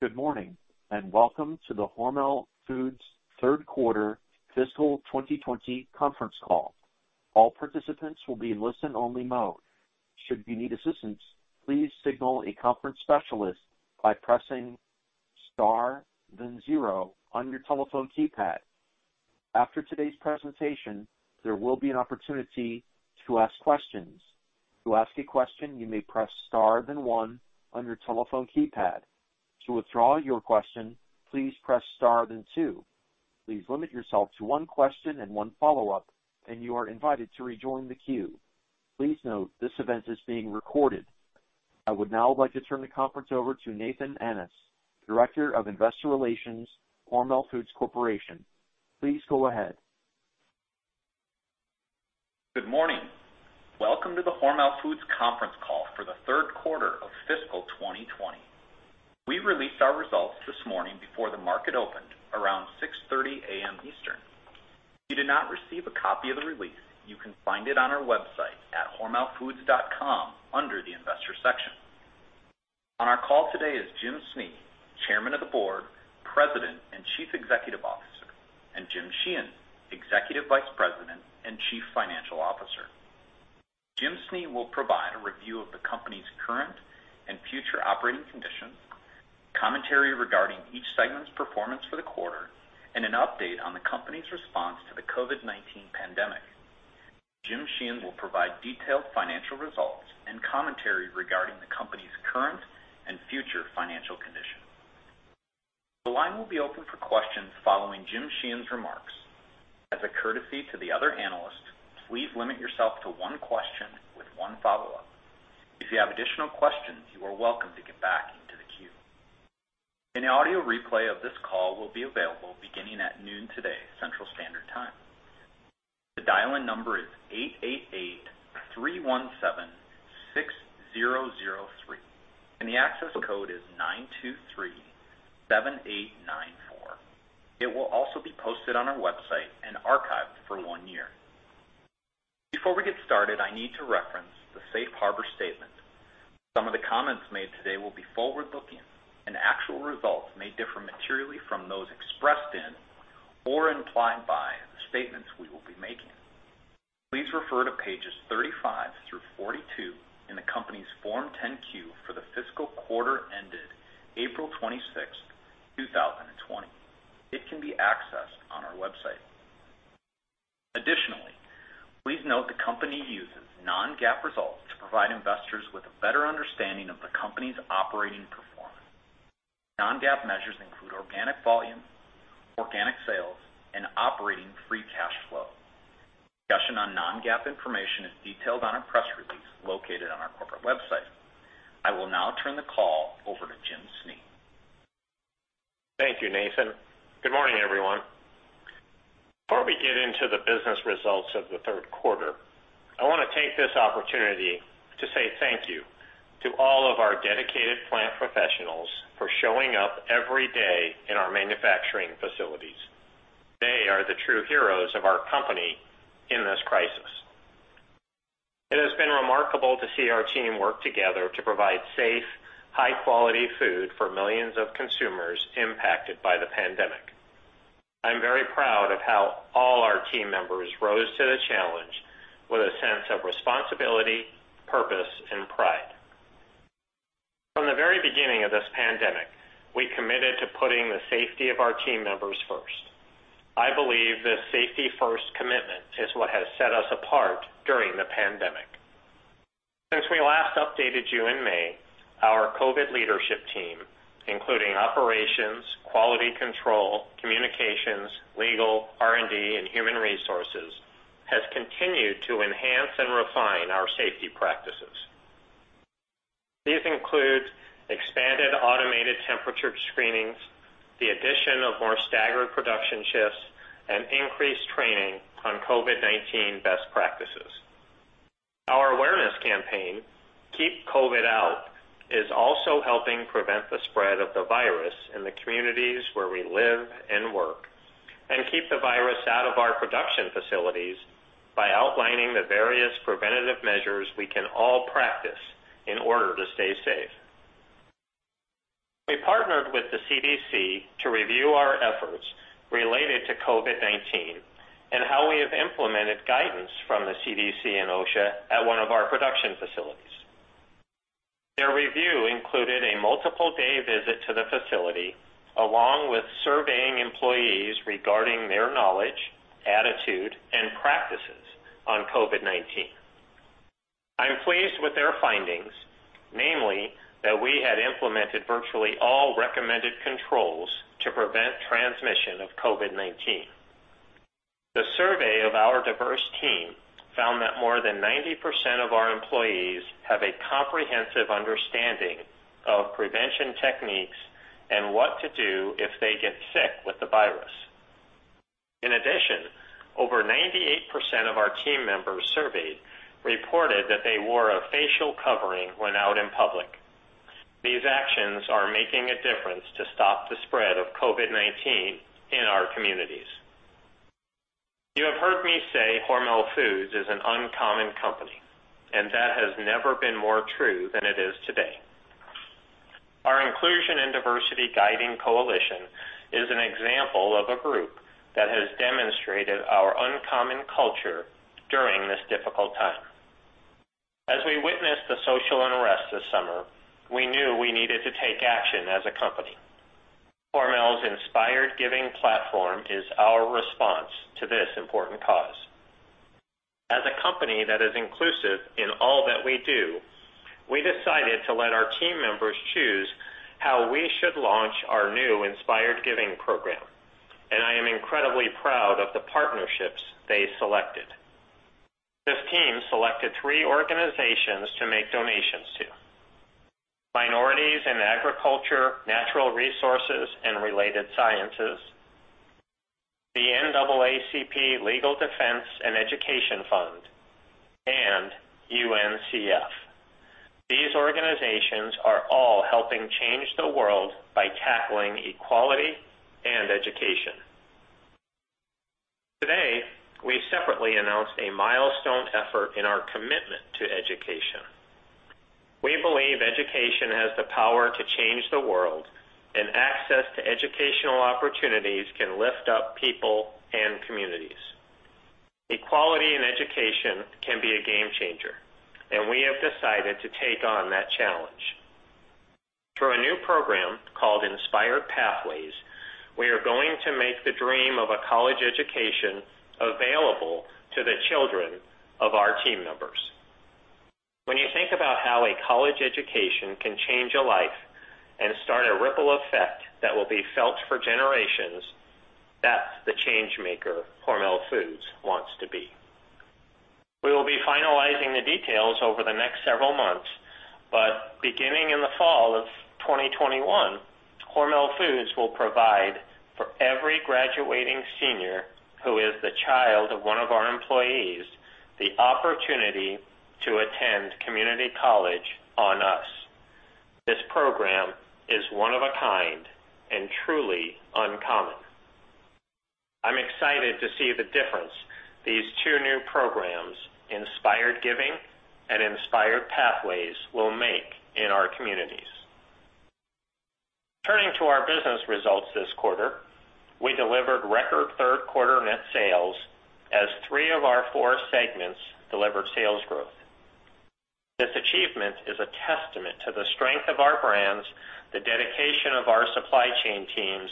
Good morning and welcome to the Hormel Foods third quarter fiscal 2020 conference call. All participants will be in listen-only mode. Should you need assistance, please signal a conference specialist by pressing star then zero on your telephone keypad. After today's presentation, there will be an opportunity to ask questions. To ask a question, you may press star then one on your telephone keypad. To withdraw your question, please press star then two. Please limit yourself to one question and one follow-up, and you are invited to rejoin the queue. Please note this event is being recorded. I would now like to turn the conference over to Nathan Annis, Director of Investor Relations, Hormel Foods Corporation. Please go ahead. Good morning. Welcome to the Hormel Foods conference call for the third quarter of fiscal 2020. We released our results this morning before the market opened around 6:30 A.M. Eastern. If you did not receive a copy of the release, you can find it on our website at hormelfoods.com under the investor section. On our call today is Jim Snee, Chairman of the Board, President and Chief Executive Officer, and Jim Sheehan, Executive Vice President and Chief Financial Officer. Jim Snee will provide a review of the company's current and future operating conditions, commentary regarding each segment's performance for the quarter, and an update on the company's response to the COVID-19 pandemic. Jim Sheehan will provide detailed financial results and commentary regarding the company's current and future financial condition. The line will be open for questions following Jim Sheehan's remarks. As a courtesy to the other analysts, please limit yourself to one question with one follow-up. If you have additional questions, you are welcome to get back into the queue. An audio replay of this call will be available beginning at noon today, Central Standard Time. The dial-in number is 888-317-6003, and the access code is 9237894. It will also be posted on our website and archived for one year. Before we get started, I need to reference the Safe Harbor Statement. Some of the comments made today will be forward-looking, and actual results may differ materially from those expressed in or implied by the statements we will be making. Please refer to pages 35 through 42 in the company's Form 10-Q for the fiscal quarter ended April 26, 2020. It can be accessed on our website. Additionally, please note the company uses non-GAAP results to provide investors with a better understanding of the company's operating performance. Non-GAAP measures include organic volume, organic sales, and operating free cash flow. Discussion on non-GAAP information is detailed on our press release located on our corporate website. I will now turn the call over to Jim Snee. Thank you, Nathan. Good morning, everyone. Before we get into the business results of the third quarter, I want to take this opportunity to say thank you to all of our dedicated plant professionals for showing up every day in our manufacturing facilities. They are the true heroes of our company in this crisis. It has been remarkable to see our team work together to provide safe, high-quality food for millions of consumers impacted by the pandemic. I'm very proud of how all our team members rose to the challenge with a sense of responsibility, purpose, and pride. From the very beginning of this pandemic, we committed to putting the safety of our team members first. I believe this safety-first commitment is what has set us apart during the pandemic. Since we last updated you in May, our COVID leadership team, including operations, quality control, communications, legal, R&D, and human resources, has continued to enhance and refine our safety practices. These include expanded automated temperature screenings, the addition of more staggered production shifts, and increased training on COVID-19 best practices. Our awareness campaign, Keep COVID Out, is also helping prevent the spread of the virus in the communities where we live and work, and keep the virus out of our production facilities by outlining the various preventative measures we can all practice in order to stay safe. We partnered with the CDC to review our efforts related to COVID-19 and how we have implemented guidance from the CDC and OSHA at one of our production facilities. Their review included a multiple-day visit to the facility along with surveying employees regarding their knowledge, attitude, and practices on COVID-19. I'm pleased with their findings, namely that we had implemented virtually all recommended controls to prevent transmission of COVID-19. The survey of our diverse team found that more than 90% of our employees have a comprehensive understanding of prevention techniques and what to do if they get sick with the virus. In addition, over 98% of our team members surveyed reported that they wore a facial covering when out in public. These actions are making a difference to stop the spread of COVID-19 in our communities. You have heard me say Hormel Foods is an uncommon company, and that has never been more true than it is today. Our inclusion and diversity guiding coalition is an example of a group that has demonstrated our uncommon culture during this difficult time. As we witnessed the social unrest this summer, we knew we needed to take action as a company. Hormel's inspired giving platform is our response to this important cause. As a company that is inclusive in all that we do, we decided to let our team members choose how we should launch our new inspired giving program, and I am incredibly proud of the partnerships they selected. This team selected three organizations to make donations to: Minorities in Agriculture, Natural Resources, and Related Sciences; the NAACP Legal Defense and Education Fund; and UNCF. These organizations are all helping change the world by tackling equality and education. Today, we separately announced a milestone effort in our commitment to education. We believe education has the power to change the world, and access to educational opportunities can lift up people and communities. Equality in education can be a game changer, and we have decided to take on that challenge. Through a new program called Inspired Pathways, we are going to make the dream of a college education available to the children of our team members. When you think about how a college education can change a life and start a ripple effect that will be felt for generations, that's the change maker Hormel Foods wants to be. We will be finalizing the details over the next several months, but beginning in the fall of 2021, Hormel Foods will provide for every graduating senior who is the child of one of our employees the opportunity to attend community college on us. This program is one of a kind and truly uncommon. I'm excited to see the difference these two new programs, Inspired Giving and Inspired Pathways, will make in our communities. Turning to our business results this quarter, we delivered record third quarter net sales as three of our four segments delivered sales growth. This achievement is a testament to the strength of our brands, the dedication of our supply chain teams,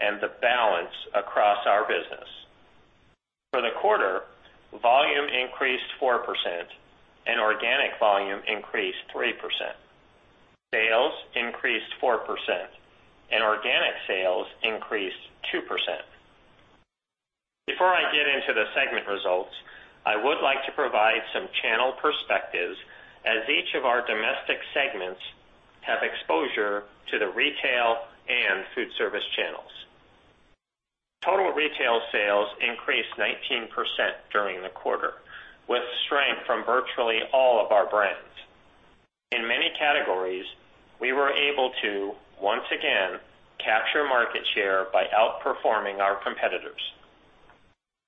and the balance across our business. For the quarter, volume increased 4% and organic volume increased 3%. Sales increased 4% and organic sales increased 2%. Before I get into the segment results, I would like to provide some channel perspectives as each of our domestic segments have exposure to the retail and food service channels. Total retail sales increased 19% during the quarter, with strength from virtually all of our brands. In many categories, we were able to, once again, capture market share by outperforming our competitors.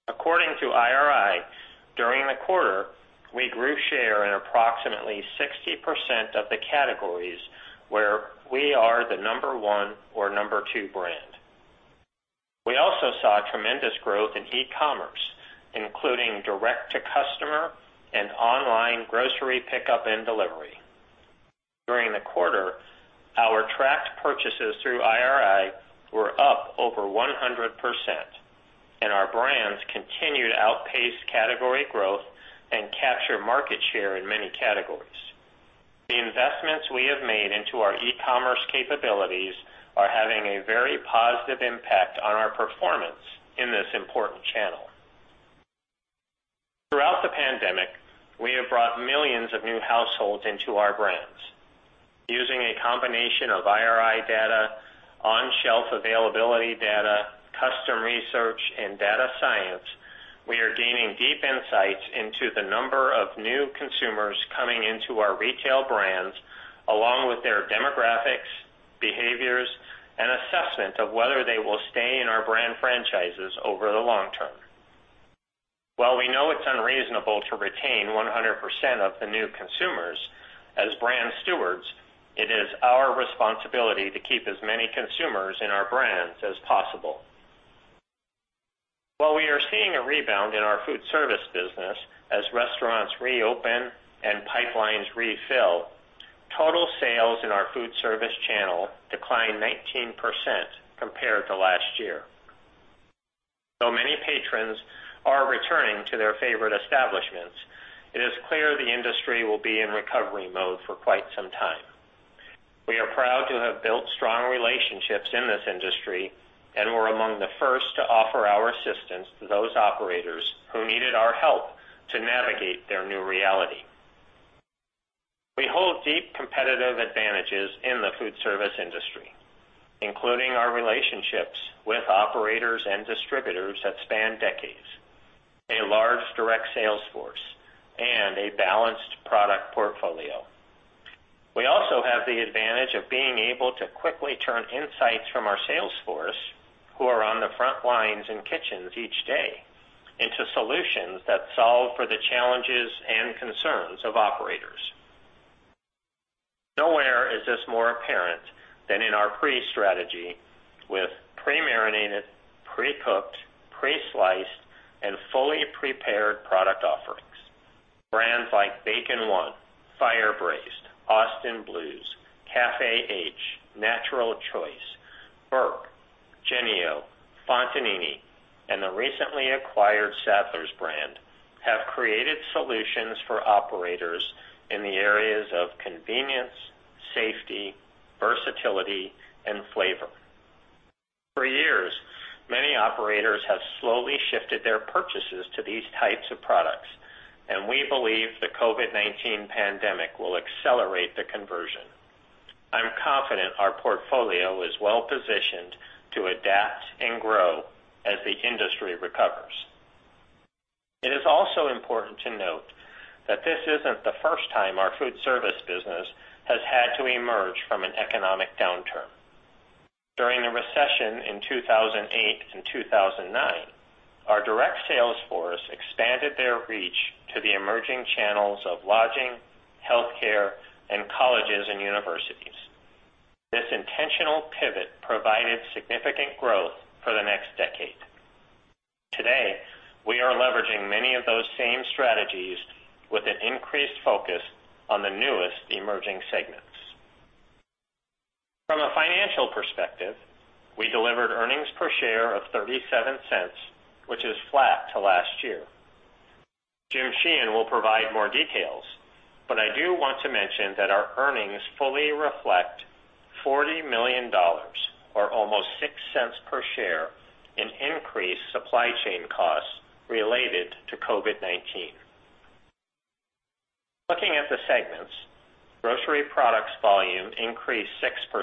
According to IRI, during the quarter, we grew share in approximately 60% of the categories where we are the number one or number two brand. We also saw tremendous growth in e-commerce, including direct-to-customer and online grocery pickup and delivery. During the quarter, our tracked purchases through IRI were up over 100%, and our brands continued to outpace category growth and capture market share in many categories. The investments we have made into our e-commerce capabilities are having a very positive impact on our performance in this important channel. Throughout the pandemic, we have brought millions of new households into our brands. Using a combination of IRI data, on-shelf availability data, custom research, and data science, we are gaining deep insights into the number of new consumers coming into our retail brands along with their demographics, behaviors, and assessment of whether they will stay in our brand franchises over the long term. While we know it's unreasonable to retain 100% of the new consumers as brand stewards, it is our responsibility to keep as many consumers in our brands as possible. While we are seeing a rebound in our food service business as restaurants reopen and pipelines refill, total sales in our food service channel declined 19% compared to last year. Though many patrons are returning to their favorite establishments, it is clear the industry will be in recovery mode for quite some time. We are proud to have built strong relationships in this industry and were among the first to offer our assistance to those operators who needed our help to navigate their new reality. We hold deep competitive advantages in the food service industry, including our relationships with operators and distributors that span decades, a large direct sales force, and a balanced product portfolio. We also have the advantage of being able to quickly turn insights from our sales force, who are on the front lines in kitchens each day, into solutions that solve for the challenges and concerns of operators. Nowhere is this more apparent than in our pre-strategy with pre-marinated, pre-cooked, pre-sliced, and fully prepared product offerings. Brands like Bacon One, FIRE BRAISED, AUSTIN CAFÉ H, natural Choice, BURKE, Jennie-O, Fontanini, and the recently acquired Sadler's Smokehouse have created solutions for operators in the areas of convenience, safety, versatility, and flavor. For years, many operators have slowly shifted their purchases to these types of products, and we believe the COVID-19 pandemic will accelerate the conversion. I'm confident our portfolio is well positioned to adapt and grow as the industry recovers. It is also important to note that this isn't the first time our food service business has had to emerge from an economic downturn. During the recession in 2008 and 2009, our direct sales force expanded their reach to the emerging channels of lodging, healthcare, and colleges and universities. This intentional pivot provided significant growth for the next decade. Today, we are leveraging many of those same strategies with an increased focus on the newest emerging segments. From a financial perspective, we delivered earnings per share of $0.37, which is flat to last year. Jim Sheehan will provide more details, but I do want to mention that our earnings fully reflect $40 million, or almost $0.06 per share, in increased supply chain costs related to COVID-19. Looking at the segments, grocery products volume increased 6%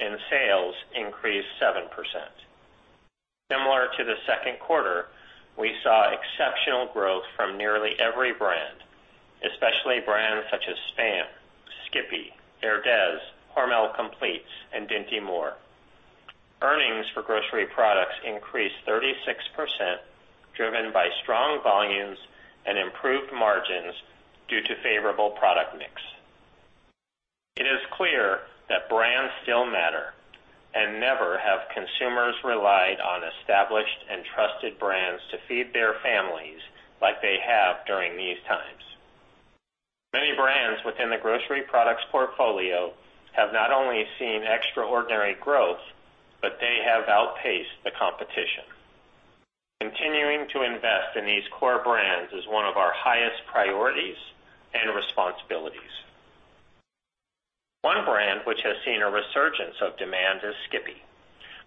and sales increased 7%. Similar to the second quarter, we saw exceptional growth from nearly every brand, especially brands such as Spam, Skippy, Herdez, Hormel Completes, and Dinty Moore. Earnings for grocery products increased 36%, driven by strong volumes and improved margins due to favorable product mix. It is clear that brands still matter and never have consumers relied on established and trusted brands to feed their families like they have during these times. Many brands within the grocery products portfolio have not only seen extraordinary growth, but they have outpaced the competition. Continuing to invest in these core brands is one of our highest priorities and responsibilities. One brand which has seen a resurgence of demand is Skippy.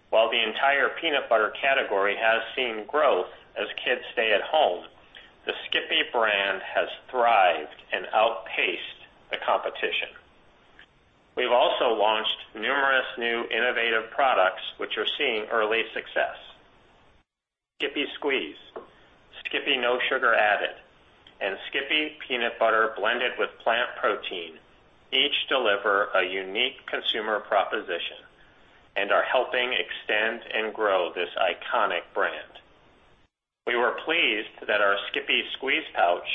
While the entire peanut butter category has seen growth as kids stay at home, the Skippy brand has thrived and outpaced the competition. We've also launched numerous new innovative products which are seeing early success. Skippy Squeeze, Skippy No Sugar Added, and Skippy Peanut Butter Blended with Plant Protein each deliver a unique consumer proposition and are helping extend and grow this iconic brand. We were pleased that our Skippy Squeeze Pouch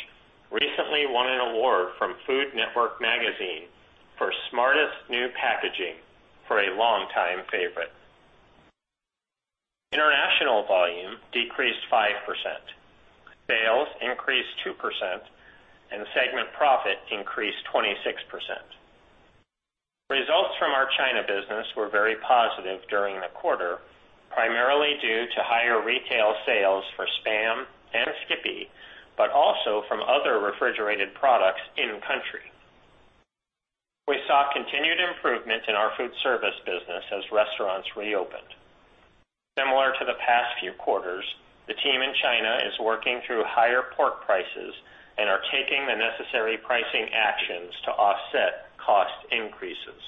recently won an award from Food Network Magazine for smartest new packaging for a longtime favorite. International volume decreased 5%, sales increased 2%, and segment profit increased 26%. Results from our China business were very positive during the quarter, primarily due to higher retail sales for Spam and Skippy, but also from other refrigerated products in-country. We saw continued improvement in our food service business as restaurants reopened. Similar to the past few quarters, the team in China is working through higher pork prices and are taking the necessary pricing actions to offset cost increases.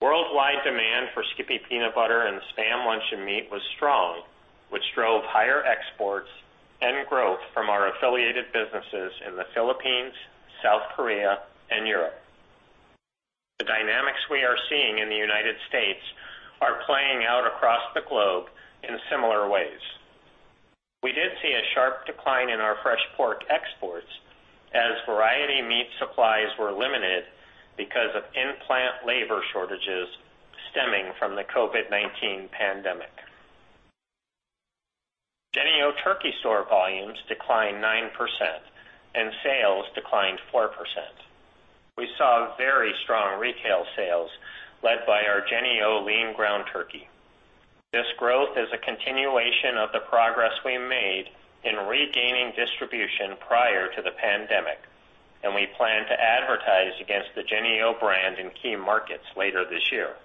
Worldwide demand for Skippy Peanut Butter and Spam Lunch and Meat was strong, which drove higher exports and growth from our affiliated businesses in the Philippines, South Korea, and Europe. The dynamics we are seeing in the United States are playing out across the globe in similar ways. We did see a sharp decline in our fresh pork exports as variety meat supplies were limited because of in-plant labor shortages stemming from the COVID-19 pandemic. Jennie-O Turkey Store volumes declined 9% and sales declined 4%. We saw very strong retail sales led by our Jennie-O Lean Ground Turkey. This growth is a continuation of the progress we made in regaining distribution prior to the pandemic, and we plan to advertise against the Jennie-O brand in key markets later this year.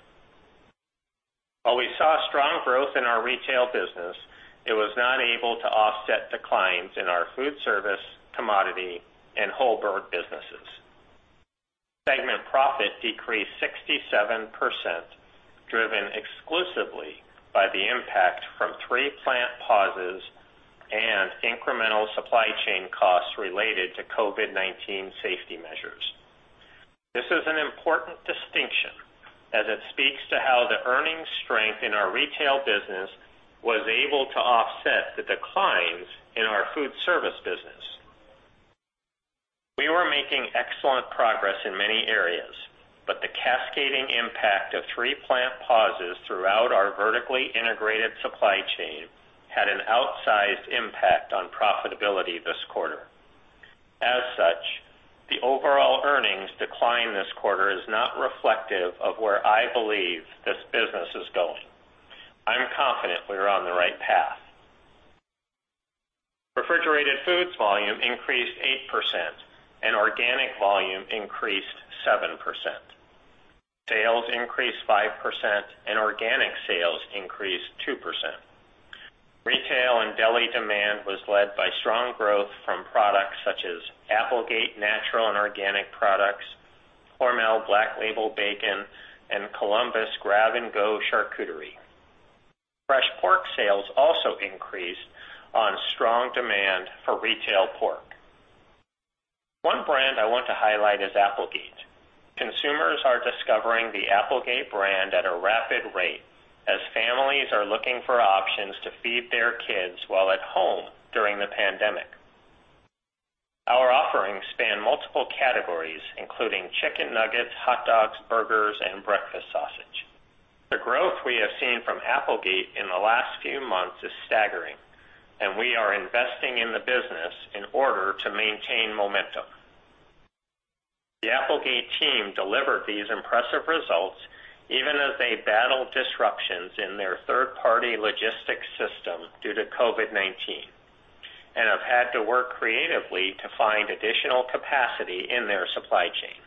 While we saw strong growth in our retail business, it was not able to offset declines in our food service, commodity, and whole bird businesses. Segment profit decreased 67%, driven exclusively by the impact from three plant pauses and incremental supply chain costs related to COVID-19 safety measures. This is an important distinction as it speaks to how the earnings strength in our retail business was able to offset the declines in our food service business. We were making excellent progress in many areas, but the cascading impact of three plant pauses throughout our vertically integrated supply chain had an outsized impact on profitability this quarter. As such, the overall earnings decline this quarter is not reflective of where I believe this business is going. I'm confident we're on the right path. refrigerated foods volume increased 8% and organic volume increased 7%. Sales increased 5% and organic sales increased 2%. Retail and deli demand was led by strong growth from products such as Applegate Natural and Organic Products, Hormel Black Label Bacon, and Columbus Grab and Go Charcuterie. Fresh pork sales also increased on strong demand for retail pork. One brand I want to highlight is Applegate. Consumers are discovering the Applegate brand at a rapid rate as families are looking for options to feed their kids while at home during the pandemic. Our offerings span multiple categories, including chicken nuggets, hot dogs, burgers, and breakfast sausage. The growth we have seen from Applegate in the last few months is staggering, and we are investing in the business in order to maintain momentum. The Applegate team delivered these impressive results even as they battled disruptions in their third-party logistics system due to COVID-19 and have had to work creatively to find additional capacity in their supply chain.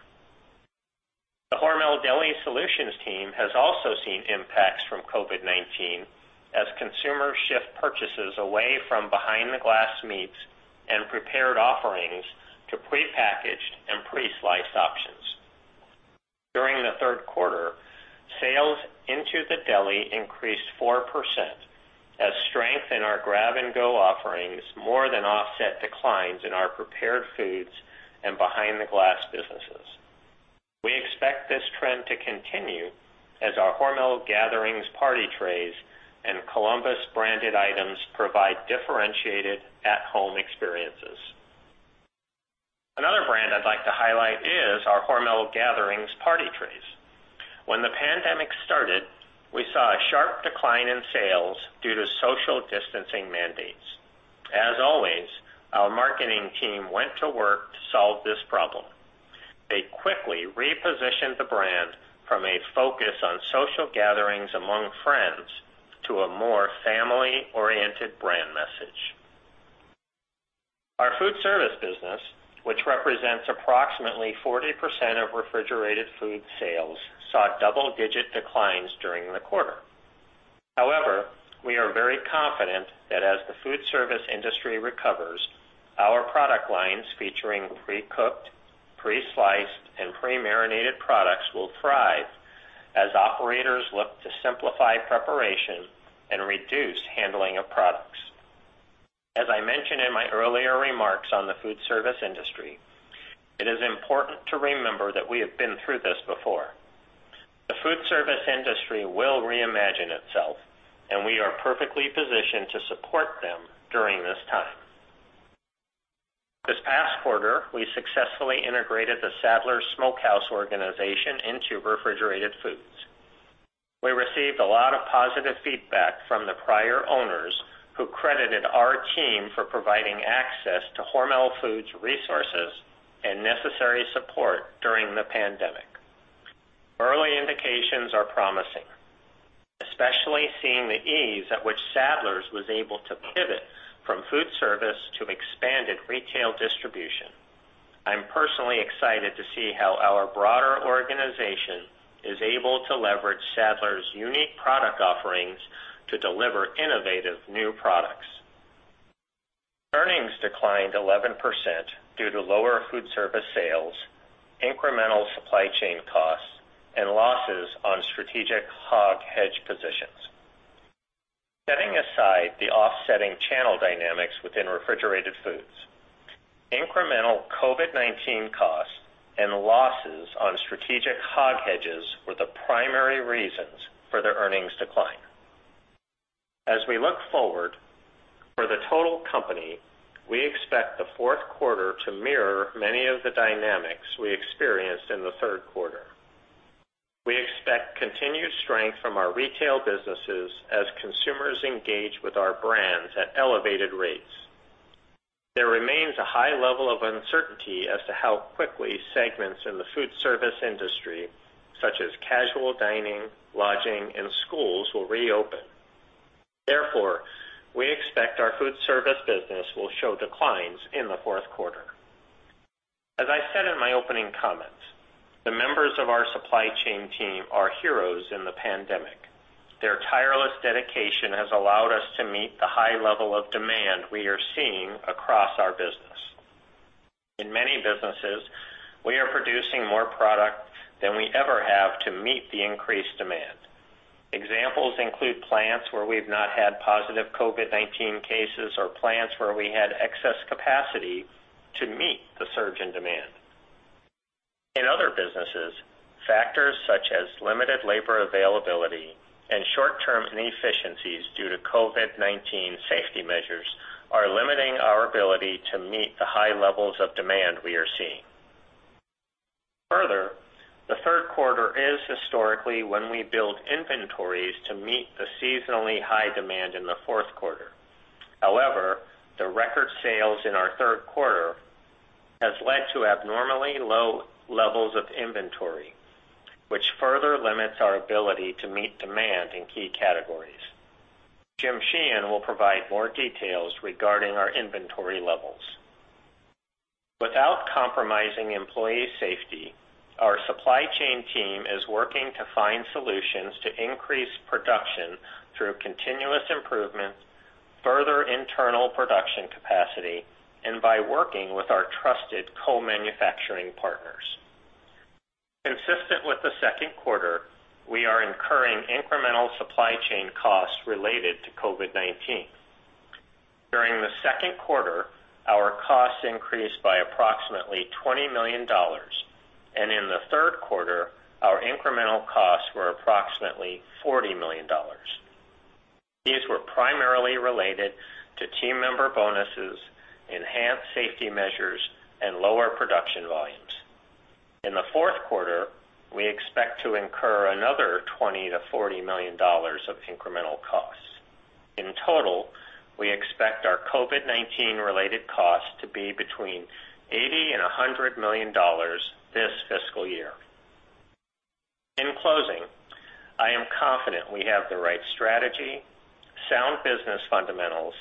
The Hormel Deli Solutions team has also seen impacts from COVID-19 as consumers shift purchases away from behind-the-glass meats and prepared offerings to pre-packaged and pre-sliced options. During the third quarter, sales into the deli increased 4% as strength in our Grab and Go offerings more than offset declines in our prepared foods and behind-the-glass businesses. We expect this trend to continue as our Hormel Gatherings party trays and Columbus branded items provide differentiated at-home experiences. Another brand I'd like to highlight is our Hormel Gatherings party trays. When the pandemic started, we saw a sharp decline in sales due to social distancing mandates. As always, our marketing team went to work to solve this problem. They quickly repositioned the brand from a focus on social gatherings among friends to a more family-oriented brand message. Our food service business, which represents approximately 40% of refrigerated food sales, saw double-digit declines during the quarter. However, we are very confident that as the food service industry recovers, our product lines featuring pre-cooked, pre-sliced, and pre-marinated products will thrive as operators look to simplify preparation and reduce handling of products. As I mentioned in my earlier remarks on the food service industry, it is important to remember that we have been through this before. The food service industry will reimagine itself, and we are perfectly positioned to support them during this time. This past quarter, we successfully integrated the Sadler's Smokehouse organization into refrigerated foods. We received a lot of positive feedback from the prior owners who credited our team for providing access to Hormel Foods' resources and necessary support during the pandemic. Early indications are promising, especially seeing the ease at which Sadler's was able to pivot from food service to expanded retail distribution. I'm personally excited to see how our broader organization is able to leverage Sadler's unique product offerings to deliver innovative new products. Earnings declined 11% due to lower food service sales, incremental supply chain costs, and losses on strategic hog hedge positions. Setting aside the offsetting channel dynamics within refrigerated foods, incremental COVID-19 costs, and losses on strategic hog hedges were the primary reasons for the earnings decline. As we look forward, for the total company, we expect the fourth quarter to mirror many of the dynamics we experienced in the third quarter. We expect continued strength from our retail businesses as consumers engage with our brands at elevated rates. There remains a high level of uncertainty as to how quickly segments in the food service industry, such as casual dining, lodging, and schools, will reopen. Therefore, we expect our food service business will show declines in the fourth quarter. As I said in my opening comments, the members of our supply chain team are heroes in the pandemic. Their tireless dedication has allowed us to meet the high level of demand we are seeing across our business. In many businesses, we are producing more product than we ever have to meet the increased demand. Examples include plants where we've not had positive COVID-19 cases or plants where we had excess capacity to meet the surge in demand. In other businesses, factors such as limited labor availability and short-term inefficiencies due to COVID-19 safety measures are limiting our ability to meet the high levels of demand we are seeing. Further, the third quarter is historically when we build inventories to meet the seasonally high demand in the fourth quarter. However, the record sales in our third quarter has led to abnormally low levels of inventory, which further limits our ability to meet demand in key categories. Jim Sheehan will provide more details regarding our inventory levels. Without compromising employee safety, our supply chain team is working to find solutions to increase production through continuous improvement, further internal production capacity, and by working with our trusted co-manufacturing partners. Consistent with the second quarter, we are incurring incremental supply chain costs related to COVID-19. During the second quarter, our costs increased by approximately $20 million, and in the third quarter, our incremental costs were approximately $40 million. These were primarily related to team member bonuses, enhanced safety measures, and lower production volumes. In the fourth quarter, we expect to incur another $20 miilion-$40 million of incremental costs. In total, we expect our COVID-19-related costs to be between $80 million-$100 million this fiscal year. In closing, I am confident we have the right strategy, sound business fundamentals,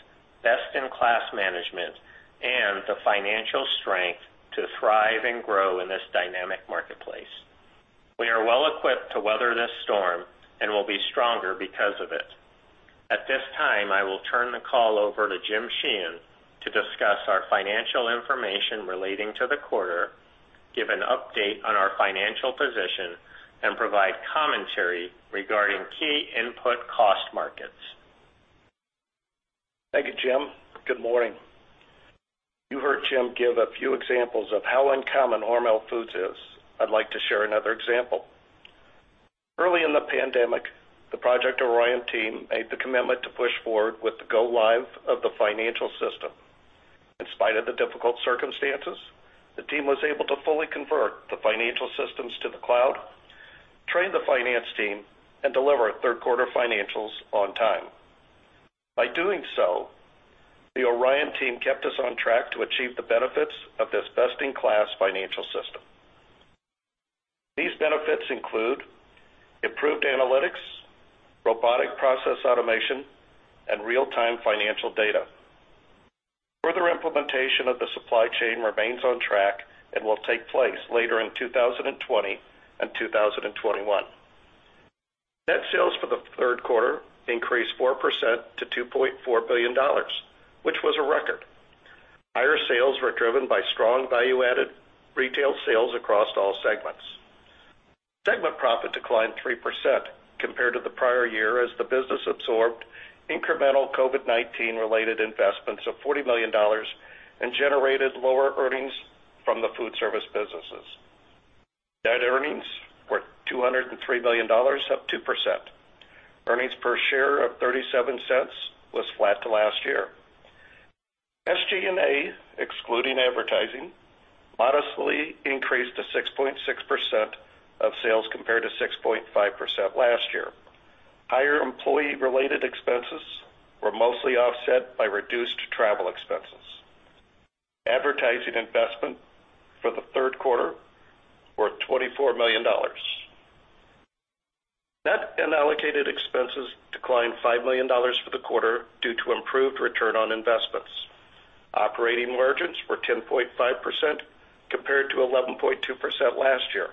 best-in-class management, and the financial strength to thrive and grow in this dynamic marketplace. We are well equipped to weather this storm and will be stronger because of it. At this time, I will turn the call over to Jim Sheehan to discuss our financial information relating to the quarter, give an update on our financial position, and provide commentary regarding key input cost markets. Thank you, Jim. Good morning. You heard Jim give a few examples of how uncommon Hormel Foods is. I'd like to share another example. Early in the pandemic, the Project Orion team made the commitment to push forward with the go-live of the financial system. In spite of the difficult circumstances, the team was able to fully convert the financial systems to the cloud, train the finance team, and deliver third-quarter financials on time. By doing so, the Orion team kept us on track to achieve the benefits of this best-in-class financial system. These benefits include improved analytics, robotic process automation, and real-time financial data. Further implementation of the supply chain remains on track and will take place later in 2020 and 2021. Net sales for the third quarter increased 4% to $2.4 billion, which was a record. Higher sales were driven by strong value-added retail sales across all segments. Segment profit declined 3% compared to the prior year as the business absorbed incremental COVID-19-related investments of $40 million and generated lower earnings from the food service businesses. Net earnings were $203 million, up 2%. Earnings per share of $0.37 was flat to last year. SG&A, excluding advertising, modestly increased to 6.6% of sales compared to 6.5% last year. Higher employee-related expenses were mostly offset by reduced travel expenses. Advertising investment for the third quarter was $24 million. Net unallocated expenses declined $5 million for the quarter due to improved return on investments. Operating margins were 10.5% compared to 11.2% last year.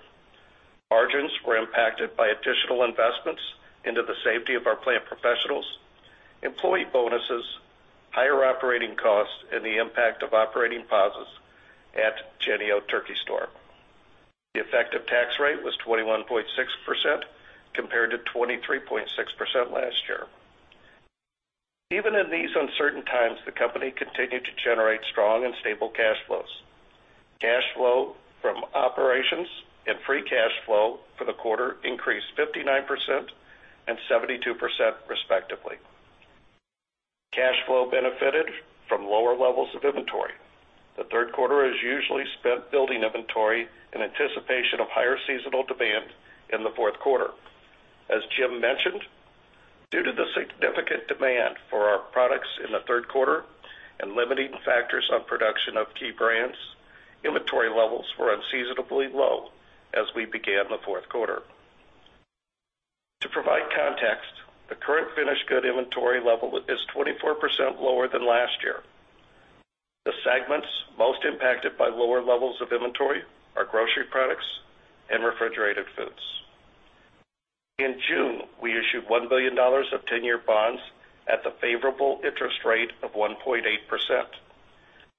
Margins were impacted by additional investments into the safety of our plant professionals, employee bonuses, higher operating costs, and the impact of operating pauses at Jennie-O Turkey Store. The effective tax rate was 21.6% compared to 23.6% last year. Even in these uncertain times, the company continued to generate strong and stable cash flows. Cash flow from operations and free cash flow for the quarter increased 59% and 72%, respectively. Cash flow benefited from lower levels of inventory. The third quarter is usually spent building inventory in anticipation of higher seasonal demand in the fourth quarter. As Jim mentioned, due to the significant demand for our products in the third quarter and limiting factors on production of key brands, inventory levels were unseasonably low as we began the fourth quarter. To provide context, the current finished good inventory level is 24% lower than last year. The segments most impacted by lower levels of inventory are grocery products and refrigerated foods. In June, we issued $1 billion of 10-year bonds at the favorable interest rate of 1.8%.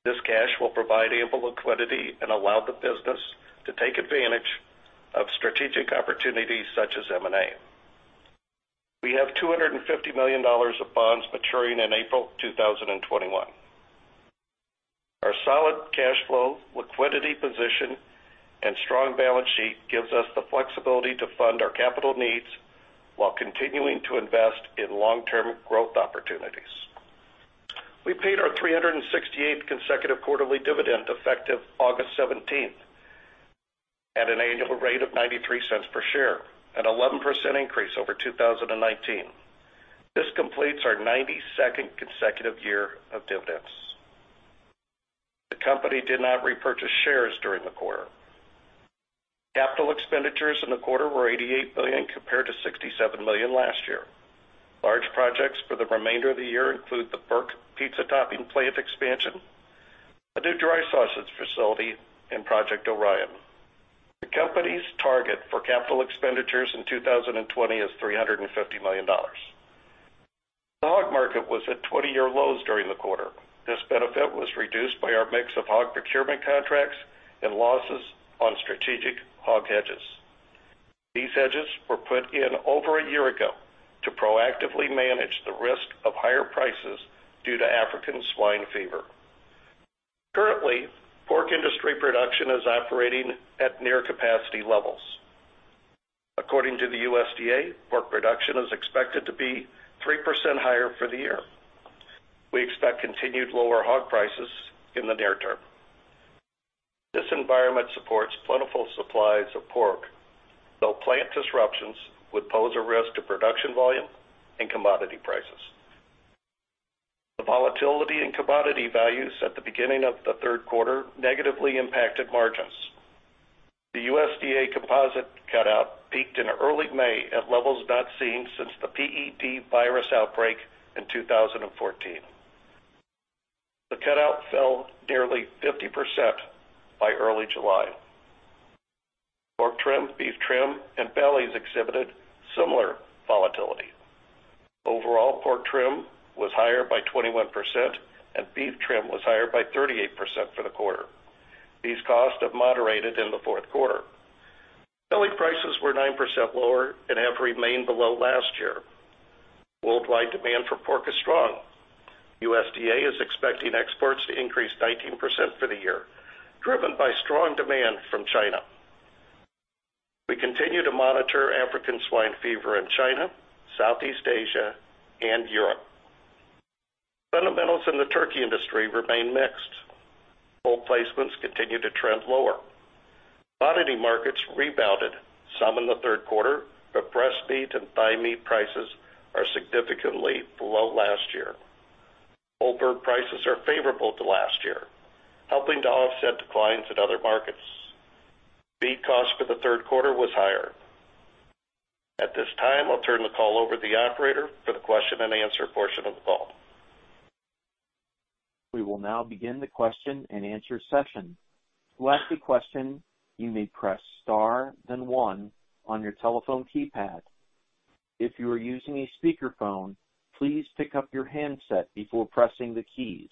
This cash will provide ample liquidity and allow the business to take advantage of strategic opportunities such as M&A. We have $250 million of bonds maturing in April 2021. Our solid cash flow, liquidity position, and strong balance sheet give us the flexibility to fund our capital needs while continuing to invest in long-term growth opportunities. We paid our 368th consecutive quarterly dividend effective August 17th at an annual rate of $0.93 per share, an 11% increase over 2019. This completes our 92nd consecutive year of dividends. The company did not repurchase shares during the quarter. Capital expenditures in the quarter were $88 million compared to $67 million last year. Large projects for the remainder of the year include the BURKE Pizza Topping plant expansion, a new dry sausage facility, and Project Orion. The company's target for capital expenditures in 2020 is $350 million. The hog market was at 20-year lows during the quarter. This benefit was reduced by our mix of hog procurement contracts and losses on strategic hog hedges. These hedges were put in over a year ago to proactively manage the risk of higher prices due to African swine fever. Currently, pork industry production is operating at near-capacity levels. According to the USDA, pork production is expected to be 3% higher for the year. We expect continued lower hog prices in the near term. This environment supports plentiful supplies of pork, though plant disruptions would pose a risk to production volume and commodity prices. The volatility in commodity values at the beginning of the third quarter negatively impacted margins. The USDA composite cutout peaked in early May at levels not seen since the PED virus outbreak in 2014. The cutout fell nearly 50% by early July. Pork trim, beef trim, and bellies exhibited similar volatility. Overall, pork trim was higher by 21%, and beef trim was higher by 38% for the quarter. These costs have moderated in the fourth quarter. Belly prices were 9% lower and have remained below last year. Worldwide demand for pork is strong. USDA is expecting exports to increase 19% for the year, driven by strong demand from China. We continue to monitor African swine fever in China, Southeast Asia, and Europe. Fundamentals in the turkey industry remain mixed. Hold placements continue to trend lower. Commodity markets rebounded some in the third quarter, but breast meat and thigh meat prices are significantly below last year. Whole bird prices are favorable to last year, helping to offset declines in other markets. Feed costs for the third quarter were higher. At this time, I'll turn the call over to the operator for the question-and-answer portion of the call. We will now begin the question-and-answer session. To ask a question, you may press Star, then one on your telephone keypad. If you are using a speakerphone, please pick up your handset before pressing the keys.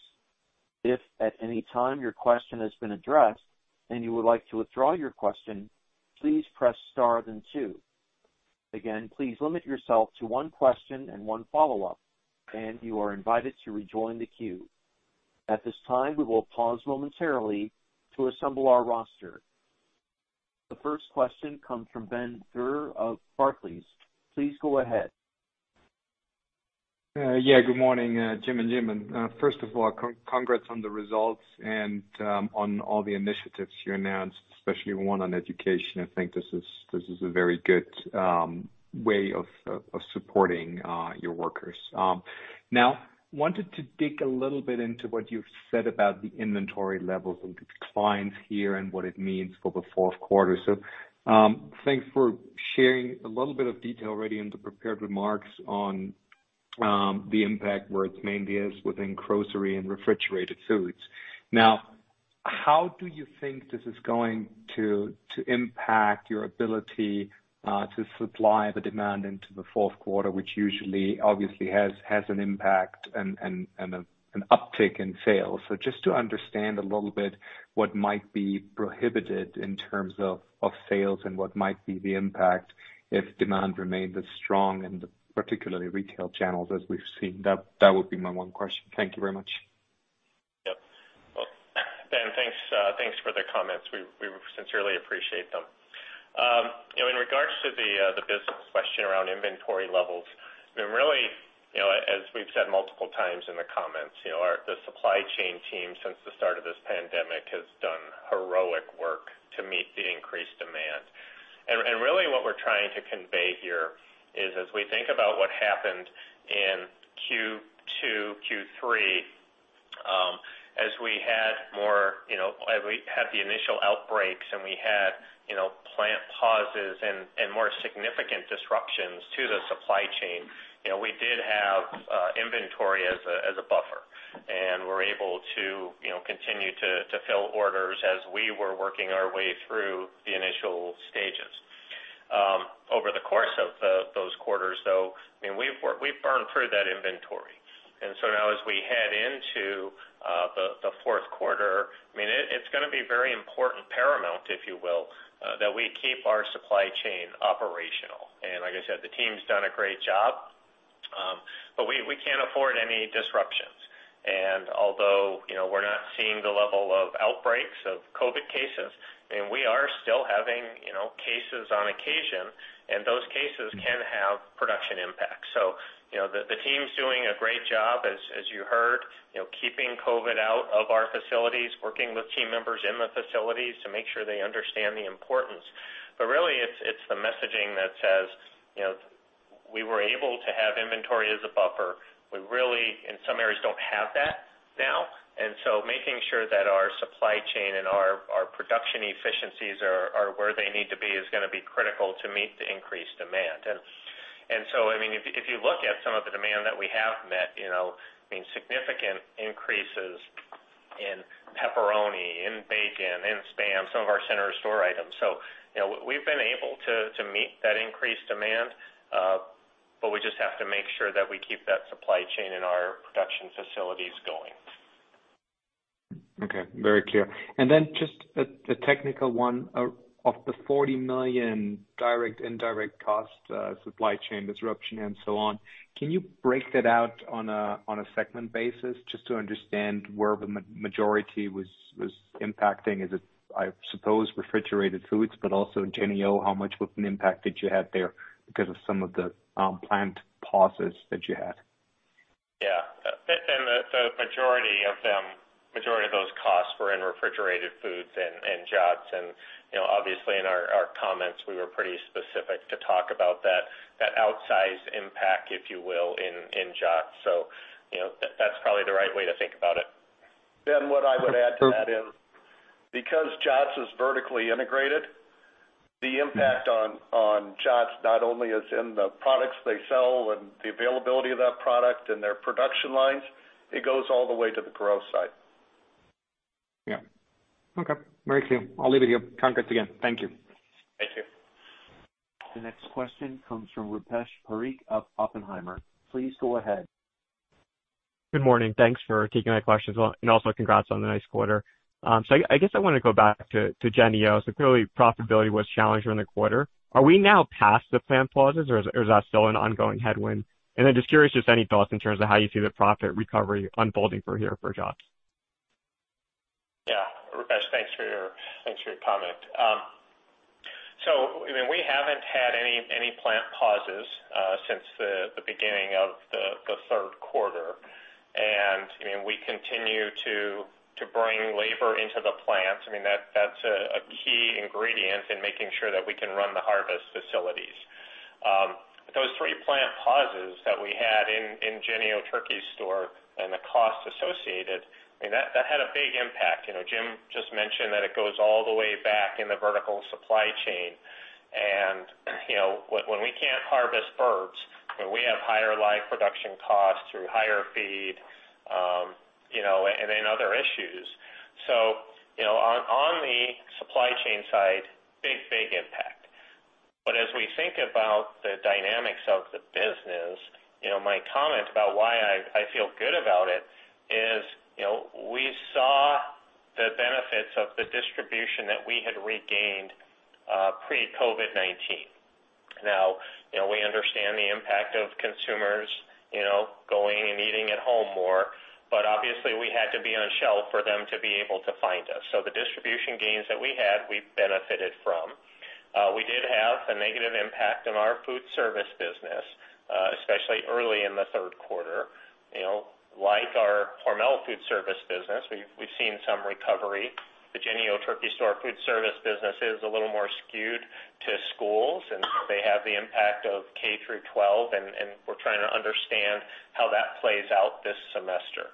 If at any time your question has been addressed and you would like to withdraw your question, please press Star, then two. Again, please limit yourself to one question and one follow-up, and you are invited to rejoin the queue. At this time, we will pause momentarily to assemble our roster. The first question comes from Ben Theurer of Barclays. Please go ahead. Yeah, good morning, Jim and Jim. First of all, congrats on the results and on all the initiatives you announced, especially one on education. I think this is a very good way of supporting your workers. Now, I wanted to dig a little bit into what you've said about the inventory levels and declines here and what it means for the fourth quarter. Thanks for sharing a little bit of detail already in the prepared remarks on the impact where it mainly is within grocery and refrigerated foods. How do you think this is going to impact your ability to supply the demand into the fourth quarter, which usually obviously has an impact and an uptick in sales? Just to understand a little bit what might be prohibited in terms of sales and what might be the impact if demand remains as strong in particularly retail channels, as we've seen, that would be my one question. Thank you very much. Yep. Ben, thanks for the comments. We sincerely appreciate them. In regards to the business question around inventory levels, really, as we've said multiple times in the comments, the supply chain team since the start of this pandemic has done heroic work to meet the increased demand. Really, what we're trying to convey here is, as we think about what happened in Q2, Q3, as we had more—as we had the initial outbreaks and we had plant pauses and more significant disruptions to the supply chain, we did have inventory as a buffer and were able to continue to fill orders as we were working our way through the initial stages. Over the course of those quarters, though, I mean, we've burned through that inventory. As we head into the fourth quarter, I mean, it's going to be very important, paramount if you will, that we keep our supply chain operational. Like I said, the team's done a great job, but we can't afford any disruptions. Although we're not seeing the level of outbreaks of COVID cases, I mean, we are still having cases on occasion, and those cases can have production impacts. The team's doing a great job, as you heard, keeping COVID out of our facilities, working with team members in the facilities to make sure they understand the importance. Really, it's the messaging that says we were able to have inventory as a buffer. We really, in some areas, don't have that now. Making sure that our supply chain and our production efficiencies are where they need to be is going to be critical to meet the increased demand. I mean, if you look at some of the demand that we have met, I mean, significant increases in pepperoni, in bacon, in Spam, some of our center store items. We have been able to meet that increased demand, but we just have to make sure that we keep that supply chain and our production facilities going. Okay. Very clear. Then just a technical one. Of the $40 million direct, indirect costs, supply chain disruption, and so on, can you break that out on a segment basis just to understand where the majority was impacting? Is it, I suppose, refrigerated foods, but also Jennie-O, how much of an impact did you have there because of some of the plant pauses that you had? Yeah. The majority of them, majority of those costs were in refrigerated foods and Jennie-O. Obviously, in our comments, we were pretty specific to talk about that outsized impact, if you will, in Jennie-O. That is probably the right way to think about it. What I would add to that is, because Jennie-O is vertically integrated, the impact on Jennie-O not only is in the products they sell and the availability of that product and their production lines, it goes all the way to the grow side. Yeah. Okay. Very clear. I'll leave it here. Congrats again. Thank you. Thank you. The next question comes from Rupesh Parikh of Oppenheimer. Please go ahead. Good morning. Thanks for taking my questions and also congrats on the nice quarter. I guess I want to go back to Jennie-O. Clearly, profitability was challenged during the quarter. Are we now past the plant pauses, or is that still an ongoing headwind? I am just curious, any thoughts in terms of how you see the profit recovery unfolding from here for Jennie-O. Yeah. Rupesh, thanks for your comment. I mean, we haven't had any plant pauses since the beginning of the third quarter. I mean, we continue to bring labor into the plants. I mean, that's a key ingredient in making sure that we can run the harvest facilities. Those three plant pauses that we had in Jennie-O Turkey Store and the cost associated, I mean, that had a big impact. Jim just mentioned that it goes all the way back in the vertical supply chain. When we can't harvest birds, we have higher live production costs through higher feed and other issues. On the supply chain side, big, big impact. As we think about the dynamics of the business, my comment about why I feel good about it is we saw the benefits of the distribution that we had regained pre-COVID-19. Now, we understand the impact of consumers going and eating at home more, but obviously, we had to be on shelf for them to be able to find us. So the distribution gains that we had, we benefited from. We did have a negative impact on our food service business, especially early in the third quarter. Like our Hormel Food Service business, we've seen some recovery. The Jennie-O Turkey Store food service business is a little more skewed to schools, and they have the impact of K through 12, and we're trying to understand how that plays out this semester.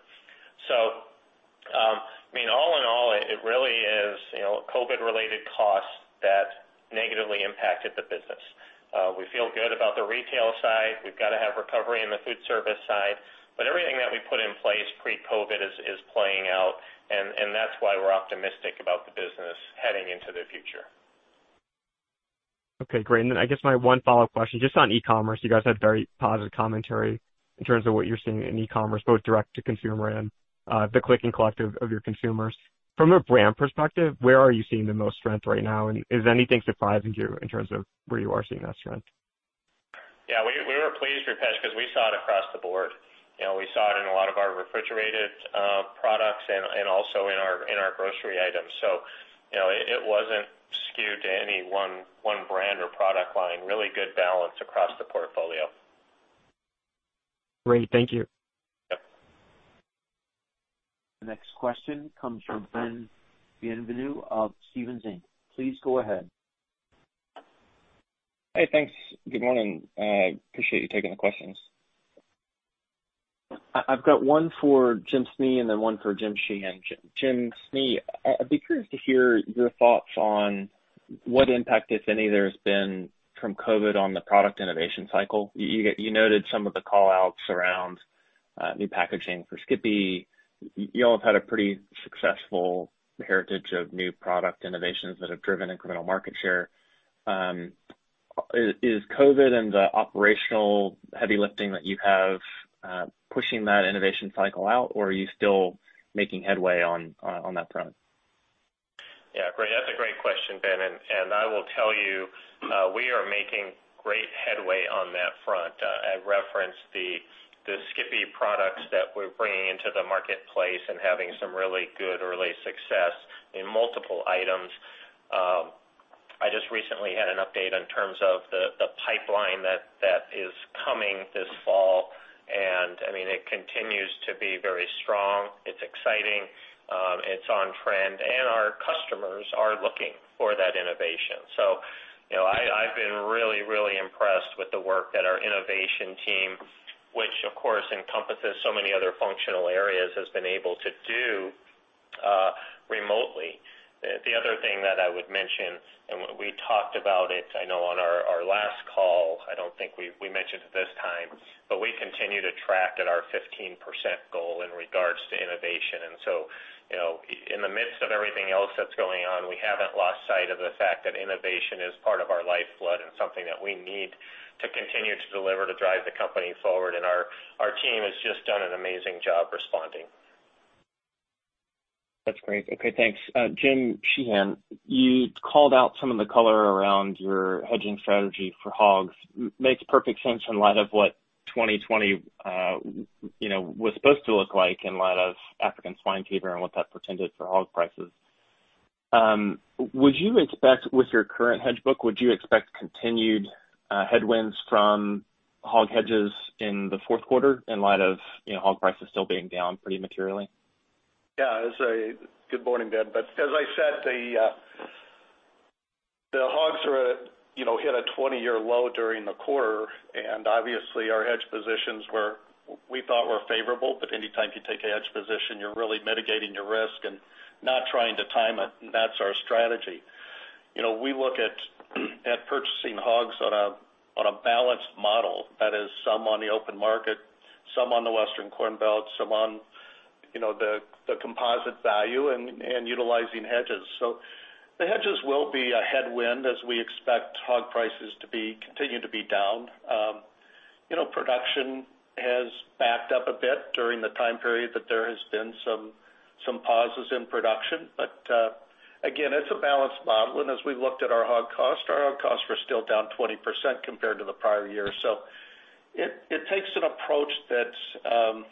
I mean, all in all, it really is COVID-related costs that negatively impacted the business. We feel good about the retail side. We've got to have recovery in the food service side. Everything that we put in place pre-COVID is playing out, and that's why we're optimistic about the business heading into the future. Okay. Great. I guess my one follow-up question, just on e-commerce, you guys had very positive commentary in terms of what you're seeing in e-commerce, both direct-to-consumer and the click and collect of your consumers. From a brand perspective, where are you seeing the most strength right now? Is anything surprising to you in terms of where you are seeing that strength? Yeah. We were pleased, Rupesh, because we saw it across the board. We saw it in a lot of our refrigerated products and also in our grocery items. It was not skewed to any one brand or product line. Really good balance across the portfolio. Great. Thank you. Yep. The next question comes from Ben Bienvenu of Stephens Inc. Please go ahead. Hey, thanks. Good morning. Appreciate you taking the questions. I've got one for Jim Snee and then one for Jim Sheehan. Jim Snee, I'd be curious to hear your thoughts on what impact, if any, there has been from COVID on the product innovation cycle. You noted some of the callouts around new packaging for Skippy. You all have had a pretty successful heritage of new product innovations that have driven incremental market share. Is COVID and the operational heavy lifting that you have pushing that innovation cycle out, or are you still making headway on that front? Yeah. Great. That's a great question, Ben. I will tell you, we are making great headway on that front. I referenced the Skippy products that we're bringing into the marketplace and having some really good early success in multiple items. I just recently had an update in terms of the pipeline that is coming this fall. I mean, it continues to be very strong. It's exciting. It's on trend. Our customers are looking for that innovation. I've been really, really impressed with the work that our innovation team, which, of course, encompasses so many other functional areas, has been able to do remotely. The other thing that I would mention, and we talked about it, I know, on our last call. I don't think we mentioned it this time, but we continue to track at our 15% goal in regards to innovation. In the midst of everything else that's going on, we haven't lost sight of the fact that innovation is part of our lifeblood and something that we need to continue to deliver to drive the company forward. Our team has just done an amazing job responding. That's great. Okay. Thanks. Jim Sheehan, you called out some of the color around your hedging strategy for hogs. Makes perfect sense in light of what 2020 was supposed to look like in light of African swine fever and what that portended for hog prices. With your current hedge book, would you expect continued headwinds from hog hedges in the fourth quarter in light of hog prices still being down pretty materially? Yeah. Good morning, Ben. As I said, the hogs hit a 20-year low during the quarter. Obviously, our hedge positions were, we thought, favorable, but anytime you take a hedge position, you're really mitigating your risk and not trying to time it. That is our strategy. We look at purchasing hogs on a balanced model that is some on the open market, some on the Western Corn Belt, some on the composite value, and utilizing hedges. The hedges will be a headwind as we expect hog prices to continue to be down. Production has backed up a bit during the time period that there has been some pauses in production. Again, it's a balanced model. As we looked at our hog costs, our hog costs were still down 20% compared to the prior year. It takes an approach that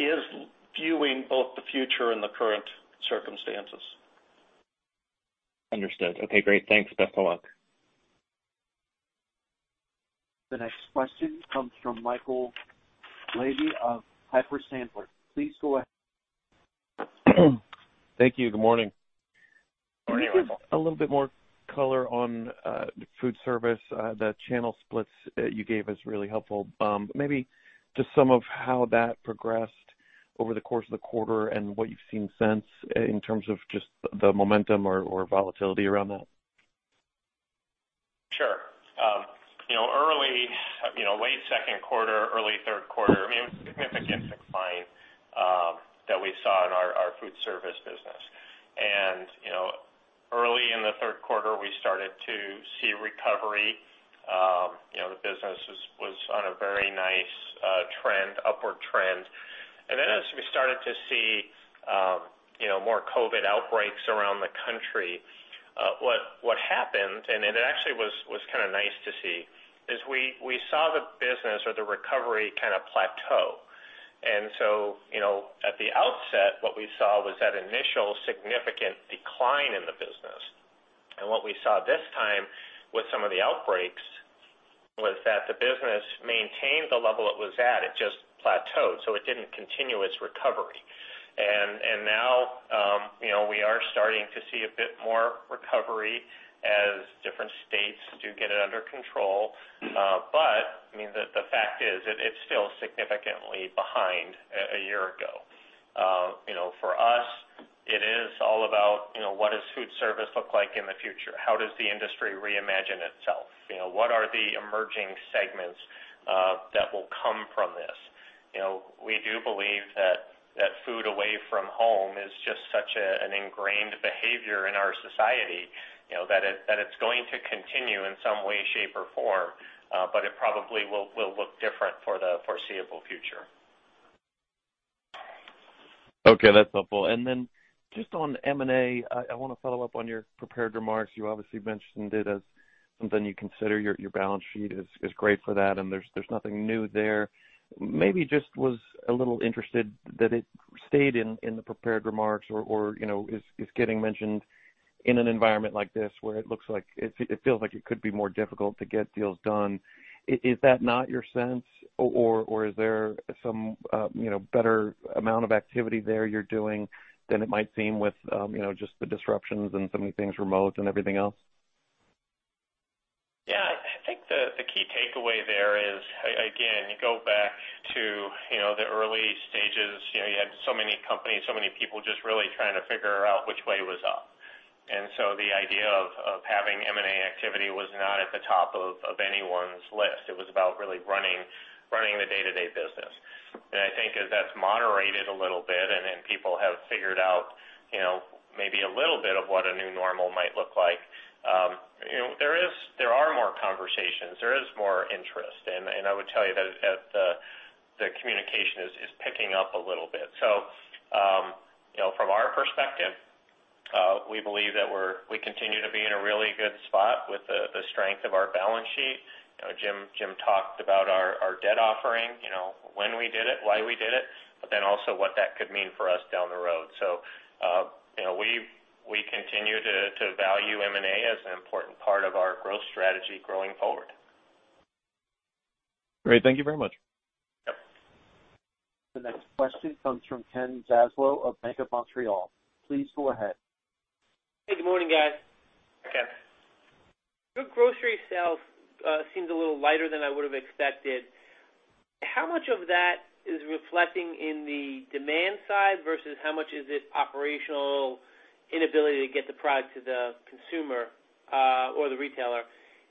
is viewing both the future and the current circumstances. Understood. Okay. Great. Thanks. Best of luck. The next question comes from Michael Lavery of Piper Sandler. Please go ahead. Thank you. Good morning. Morning, Michael. Just a little bit more color on food service. The channel splits you gave us really helpful. Maybe just some of how that progressed over the course of the quarter and what you've seen since in terms of just the momentum or volatility around that. Sure. Early, late second quarter, early third quarter, I mean, it was significant decline that we saw in our food service business. Early in the third quarter, we started to see recovery. The business was on a very nice trend, upward trend. As we started to see more COVID outbreaks around the country, what happened—and it actually was kind of nice to see—is we saw the business or the recovery kind of plateau. At the outset, what we saw was that initial significant decline in the business. What we saw this time with some of the outbreaks was that the business maintained the level it was at. It just plateaued. It did not continue its recovery. Now we are starting to see a bit more recovery as different states do get it under control. I mean, the fact is it's still significantly behind a year ago. For us, it is all about what does food service look like in the future? How does the industry reimagine itself? What are the emerging segments that will come from this? We do believe that food away from home is just such an ingrained behavior in our society that it's going to continue in some way, shape, or form, but it probably will look different for the foreseeable future. Okay. That's helpful. Then just on M&A, I want to follow up on your prepared remarks. You obviously mentioned it as something you consider. Your balance sheet is great for that, and there's nothing new there. Maybe just was a little interested that it stayed in the prepared remarks or is getting mentioned in an environment like this where it looks like it feels like it could be more difficult to get deals done. Is that not your sense, or is there some better amount of activity there you're doing than it might seem with just the disruptions and so many things remote and everything else? Yeah. I think the key takeaway there is, again, you go back to the early stages. You had so many companies, so many people just really trying to figure out which way was up. The idea of having M&A activity was not at the top of anyone's list. It was about really running the day-to-day business. I think that's moderated a little bit, and people have figured out maybe a little bit of what a new normal might look like. There are more conversations. There is more interest. I would tell you that the communication is picking up a little bit. From our perspective, we believe that we continue to be in a really good spot with the strength of our balance sheet. Jim talked about our debt offering, when we did it, why we did it, but then also what that could mean for us down the road. We continue to value M&A as an important part of our growth strategy going forward. Great. Thank you very much. Yep. The next question comes from Ken Zaslow of Bank of Montreal. Please go ahead. Hey, good morning, guys. Second. Your grocery sales seemed a little lighter than I would have expected. How much of that is reflecting in the demand side versus how much is it operational inability to get the product to the consumer or the retailer?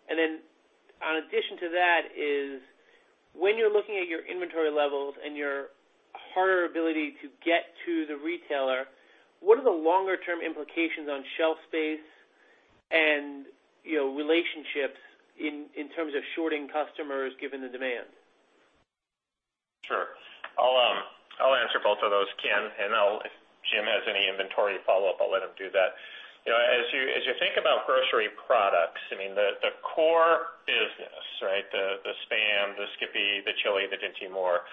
In addition to that, when you're looking at your inventory levels and your harder ability to get to the retailer, what are the longer-term implications on shelf space and relationships in terms of shorting customers given the demand? Sure. I'll answer both of those, Ken. If Jim has any inventory follow-up, I'll let him do that. As you think about grocery products, I mean, the core business, right, the Spam, the Skippy, the Chili, the Dinty Moore,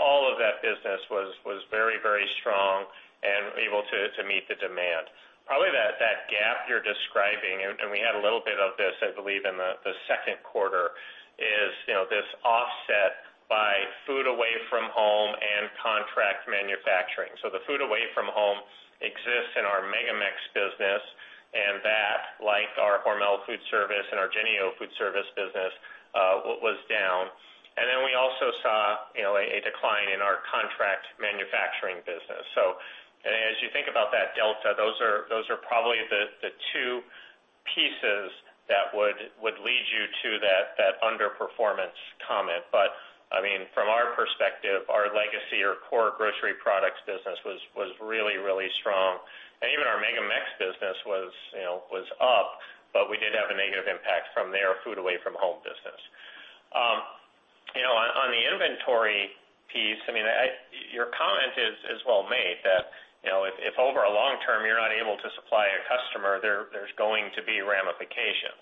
all of that business was very, very strong and able to meet the demand. Probably that gap you're describing—and we had a little bit of this, I believe, in the second quarter—is this offset by food away from home and contract manufacturing. The food away from home exists in our MegaMex business, and that, like our Hormel Food Service and our Jennie-O Food Service business, was down. We also saw a decline in our contract manufacturing business. As you think about that delta, those are probably the two pieces that would lead you to that underperformance comment. I mean, from our perspective, our legacy or core grocery products business was really, really strong. Even our MegaMex business was up, but we did have a negative impact from their food away from home business. On the inventory piece, your comment is well made that if over a long term you're not able to supply a customer, there's going to be ramifications.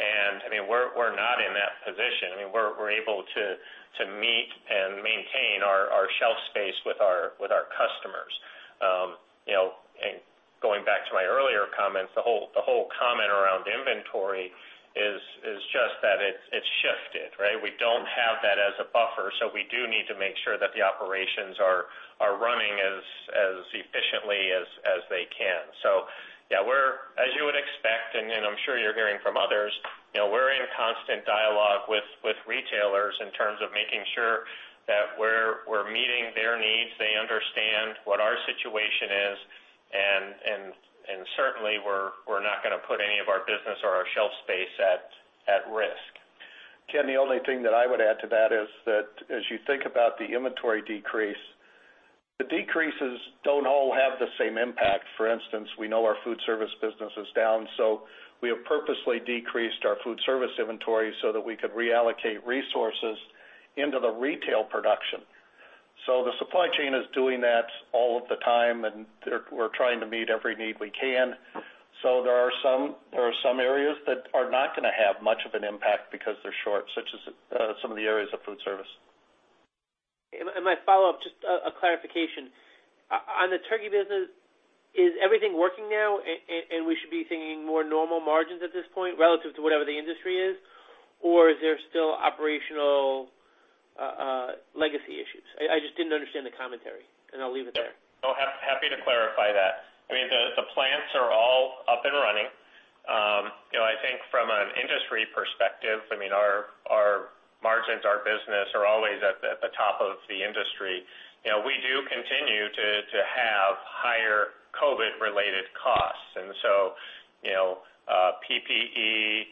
I mean, we're not in that position. I mean, we're able to meet and maintain our shelf space with our customers. Going back to my earlier comments, the whole comment around inventory is just that it's shifted, right? We don't have that as a buffer. We do need to make sure that the operations are running as efficiently as they can. Yeah, as you would expect, and I'm sure you're hearing from others, we're in constant dialogue with retailers in terms of making sure that we're meeting their needs. They understand what our situation is. Certainly, we're not going to put any of our business or our shelf space at risk. Ken, the only thing that I would add to that is that as you think about the inventory decrease, the decreases do not all have the same impact. For instance, we know our food service business is down. We have purposely decreased our food service inventory so that we could reallocate resources into the retail production. The supply chain is doing that all of the time, and we are trying to meet every need we can. There are some areas that are not going to have much of an impact because they are short, such as some of the areas of food service. My follow-up, just a clarification. On the turkey business, is everything working now, and we should be seeing more normal margins at this point relative to whatever the industry is, or is there still operational legacy issues? I just didn't understand the commentary, and I'll leave it there. Happy to clarify that. I mean, the plants are all up and running. I think from an industry perspective, I mean, our margins, our business are always at the top of the industry. We do continue to have higher COVID-related costs. PPE,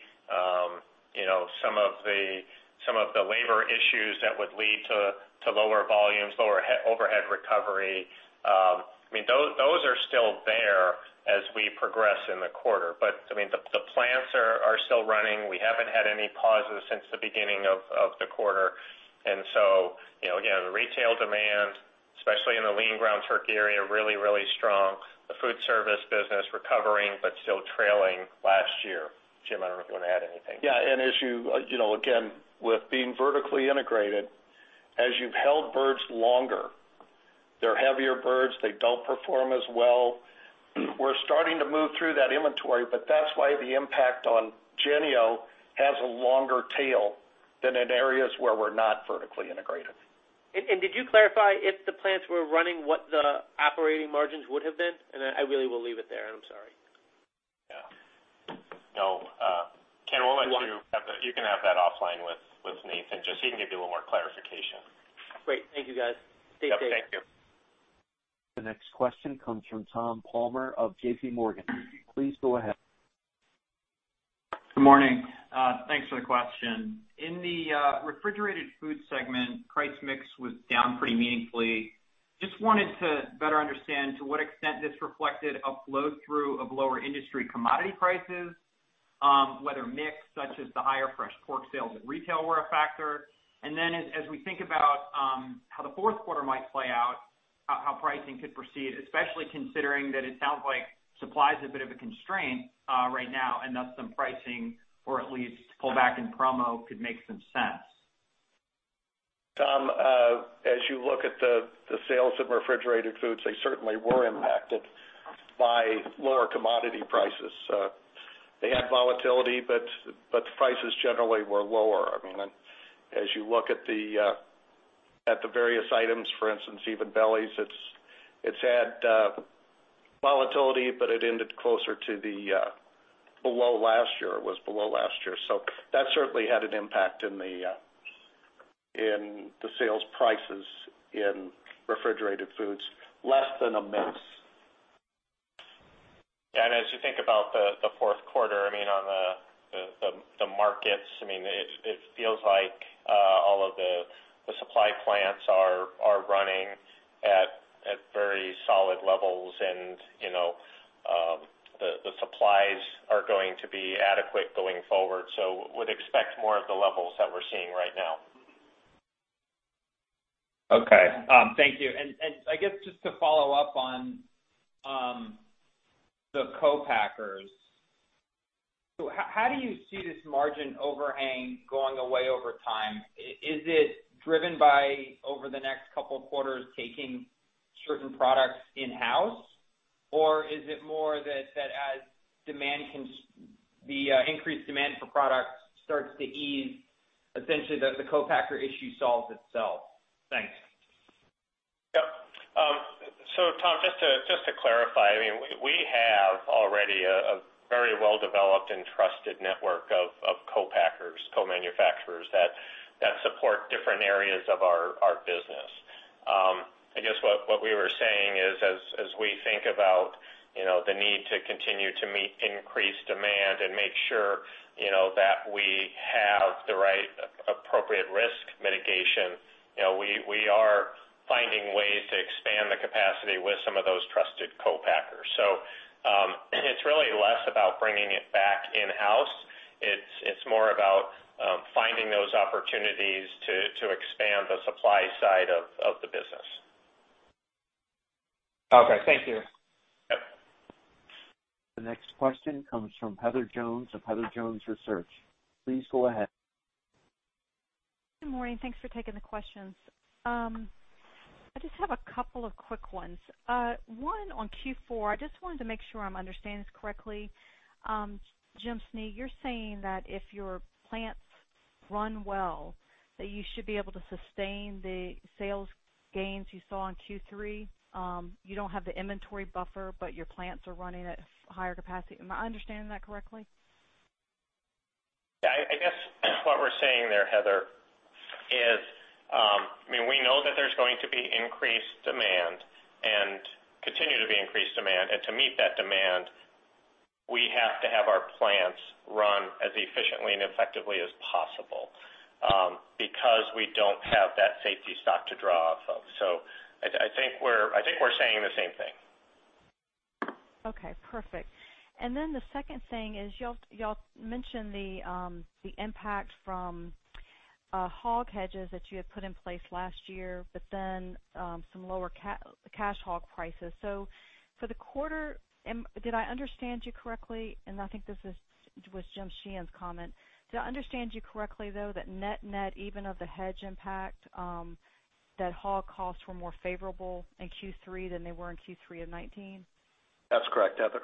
some of the labor issues that would lead to lower volumes, lower overhead recovery, I mean, those are still there as we progress in the quarter. The plants are still running. We haven't had any pauses since the beginning of the quarter. Again, the retail demand, especially in the lean ground turkey area, really, really strong. The food service business recovering but still trailing last year. Jim, I don't know if you want to add anything. Yeah. As you, again, with being vertically integrated, as you've held birds longer, they're heavier birds. They don't perform as well. We're starting to move through that inventory, but that's why the impact on Jennie-O has a longer tail than in areas where we're not vertically integrated. Did you clarify if the plants were running what the operating margins would have been? I really will leave it there, and I'm sorry. Yeah. No. Ken, why don't you have that? You can have that offline with Nathan just so he can give you a little more clarification. Great. Thank you, guys. Stay safe. Yep. Thank you. The next question comes from Tom Palmer of JPMorgan. Please go ahead. Good morning. Thanks for the question. In the refrigerated food segment, price mix was down pretty meaningfully. Just wanted to better understand to what extent this reflected a flow-through of lower industry commodity prices, whether mix such as the higher fresh pork sales at retail were a factor. As we think about how the fourth quarter might play out, how pricing could proceed, especially considering that it sounds like supply is a bit of a constraint right now, and that some pricing, or at least pullback in promo, could make some sense. Tom, as you look at the sales of refrigerated foods, they certainly were impacted by lower commodity prices. They had volatility, but the prices generally were lower. I mean, as you look at the various items, for instance, even bellies, it's had volatility, but it ended closer to the below last year. It was below last year. That certainly had an impact in the sales prices in refrigerated foods, less than a mix. Yeah. As you think about the fourth quarter, I mean, on the markets, it feels like all of the supply plants are running at very solid levels, and the supplies are going to be adequate going forward. We'd expect more of the levels that we're seeing right now. Okay. Thank you. I guess just to follow up on the co-packers, how do you see this margin overhang going away over time? Is it driven by over the next couple of quarters taking certain products in-house, or is it more that as the increased demand for products starts to ease, essentially the co-packer issue solves itself? Thanks. Yep. Tom, just to clarify, I mean, we have already a very well-developed and trusted network of co-packers, co-manufacturers that support different areas of our business. I guess what we were saying is as we think about the need to continue to meet increased demand and make sure that we have the right appropriate risk mitigation, we are finding ways to expand the capacity with some of those trusted co-packers. It is really less about bringing it back in-house. It is more about finding those opportunities to expand the supply side of the business. Okay. Thank you. Yep. The next question comes from Heather Jones of Heather Jones Research. Please go ahead. Good morning. Thanks for taking the questions. I just have a couple of quick ones. One on Q4, I just wanted to make sure I'm understanding this correctly. Jim Snee, you're saying that if your plants run well, that you should be able to sustain the sales gains you saw on Q3. You don't have the inventory buffer, but your plants are running at higher capacity. Am I understanding that correctly? Yeah. I guess what we're saying there, Heather, is I mean, we know that there's going to be increased demand and continue to be increased demand. To meet that demand, we have to have our plants run as efficiently and effectively as possible because we don't have that safety stock to draw off of. I think we're saying the same thing. Okay. Perfect. The second thing is y'all mentioned the impact from hog hedges that you had put in place last year, but then some lower cash hog prices. For the quarter, did I understand you correctly? I think this was Jim Sheehan's comment. Did I understand you correctly, though, that net-net, even of the hedge impact, that hog costs were more favorable in Q3 than they were in Q3 of 2019? That's correct, Heather.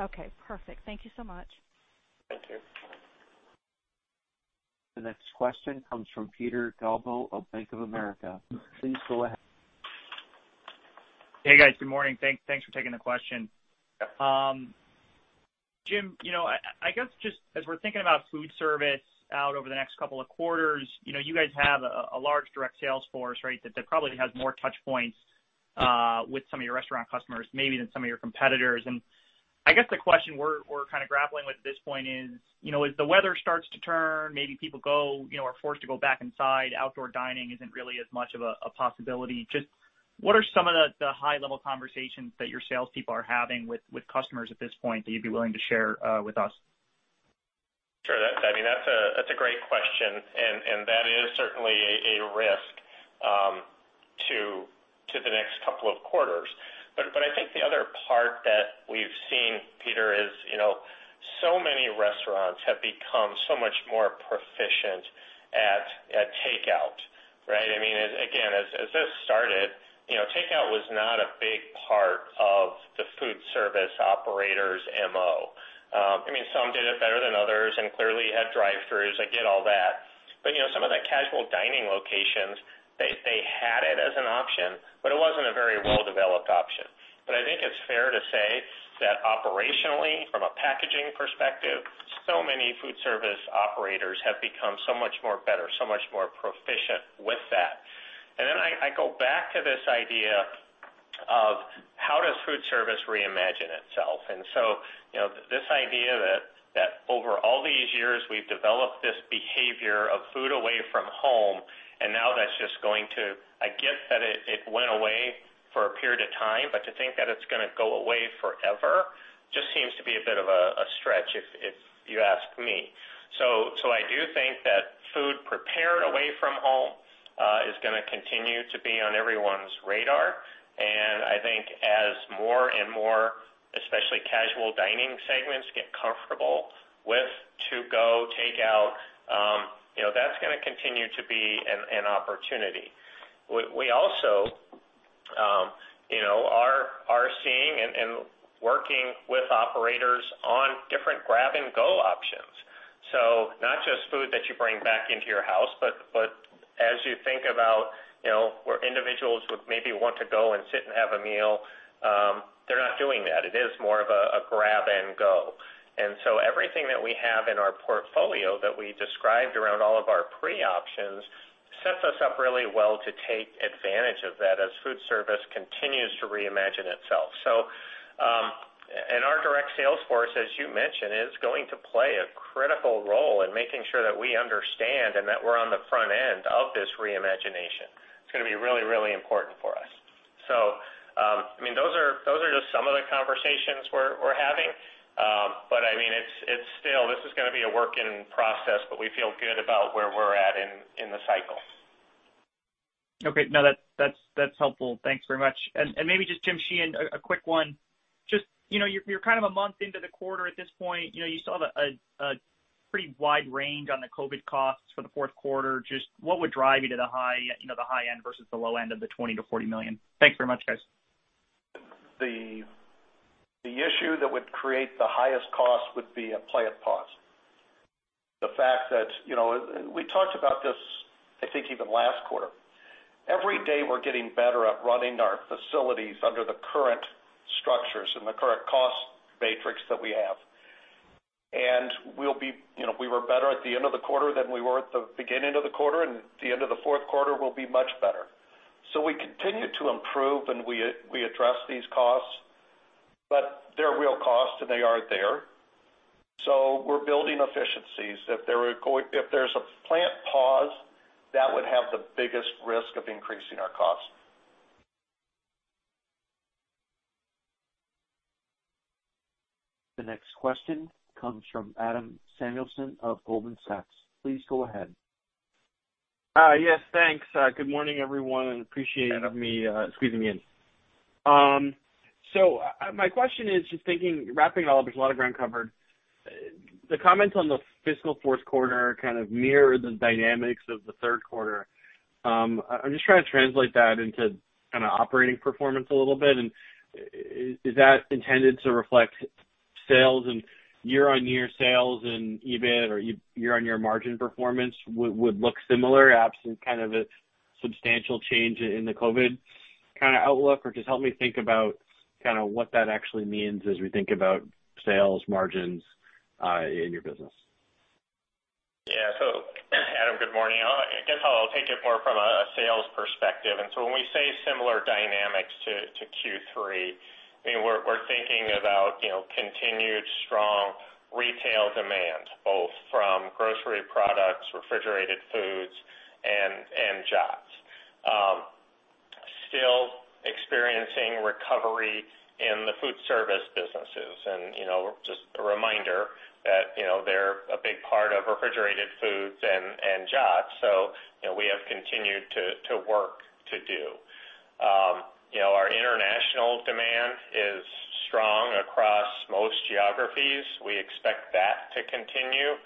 Okay. Perfect. Thank you so much. Thank you. The next question comes from Peter Galbo of BofA Securities. Please go ahead. Hey, guys. Good morning. Thanks for taking the question. Jim, I guess just as we're thinking about food service out over the next couple of quarters, you guys have a large direct sales force, right, that probably has more touchpoints with some of your restaurant customers maybe than some of your competitors. I guess the question we're kind of grappling with at this point is, as the weather starts to turn, maybe people are forced to go back inside. Outdoor dining isn't really as much of a possibility. Just what are some of the high-level conversations that your salespeople are having with customers at this point that you'd be willing to share with us? Sure. I mean, that's a great question. That is certainly a risk to the next couple of quarters. I think the other part that we've seen, Peter, is so many restaurants have become so much more proficient at takeout, right? I mean, again, as this started, takeout was not a big part of the food service operator's MO. I mean, some did it better than others and clearly had drive-throughs. I get all that. Some of the casual dining locations, they had it as an option, but it wasn't a very well-developed option. I think it's fair to say that operationally, from a packaging perspective, so many food service operators have become so much more better, so much more proficient with that. I go back to this idea of how does food service reimagine itself. This idea that over all these years, we have developed this behavior of food away from home, and now that is just going to—I get that it went away for a period of time, but to think that it is going to go away forever just seems to be a bit of a stretch if you ask me. I do think that food prepared away from home is going to continue to be on everyone's radar. I think as more and more, especially casual dining segments, get comfortable with to-go takeout, that is going to continue to be an opportunity. We also are seeing and working with operators on different grab-and-go options. Not just food that you bring back into your house, but as you think about where individuals would maybe want to go and sit and have a meal, they are not doing that. It is more of a grab-and-go. Everything that we have in our portfolio that we described around all of our pre-options sets us up really well to take advantage of that as food service continues to reimagine itself. Our direct sales force, as you mentioned, is going to play a critical role in making sure that we understand and that we're on the front end of this reimagination. It's going to be really, really important for us. I mean, those are just some of the conversations we're having. I mean, it's still—this is going to be a working process, but we feel good about where we're at in the cycle. Okay. No, that's helpful. Thanks very much. Maybe just Jim Sheehan, a quick one. You're kind of a month into the quarter at this point. You saw a pretty wide range on the COVID costs for the fourth quarter. Just what would drive you to the high end versus the low end of the $20 million-$40 million? Thanks very much, guys. The issue that would create the highest cost would be a plant pause. The fact that we talked about this, I think, even last quarter. Every day, we're getting better at running our facilities under the current structures and the current cost matrix that we have. We're better at the end of the quarter than we were at the beginning of the quarter, and the end of the fourth quarter will be much better. We continue to improve, and we address these costs, but they're real costs, and they are there. We're building efficiencies. If there's a plant pause, that would have the biggest risk of increasing our costs. The next question comes from Adam Samuelson of Goldman Sachs. Please go ahead. Yes. Thanks. Good morning, everyone. I appreciate you squeezing in. My question is just thinking—wrapping it all up. There is a lot of ground covered. The comments on the fiscal fourth quarter kind of mirror the dynamics of the third quarter. I am just trying to translate that into kind of operating performance a little bit. Is that intended to reflect sales and year-on-year sales and EBIT or year-on-year margin performance would look similar absent kind of a substantial change in the COVID kind of outlook? Just help me think about kind of what that actually means as we think about sales margins in your business. Yeah. Adam, good morning. I guess I'll take it more from a sales perspective. When we say similar dynamics to Q3, I mean, we're thinking about continued strong retail demand, both from grocery products, refrigerated foods, and Jennie-O, still experiencing recovery in the food service businesses. Just a reminder that they're a big part of refrigerated foods and Jennie-O. We have continued to work to do. Our international demand is strong across most geographies. We expect that to continue.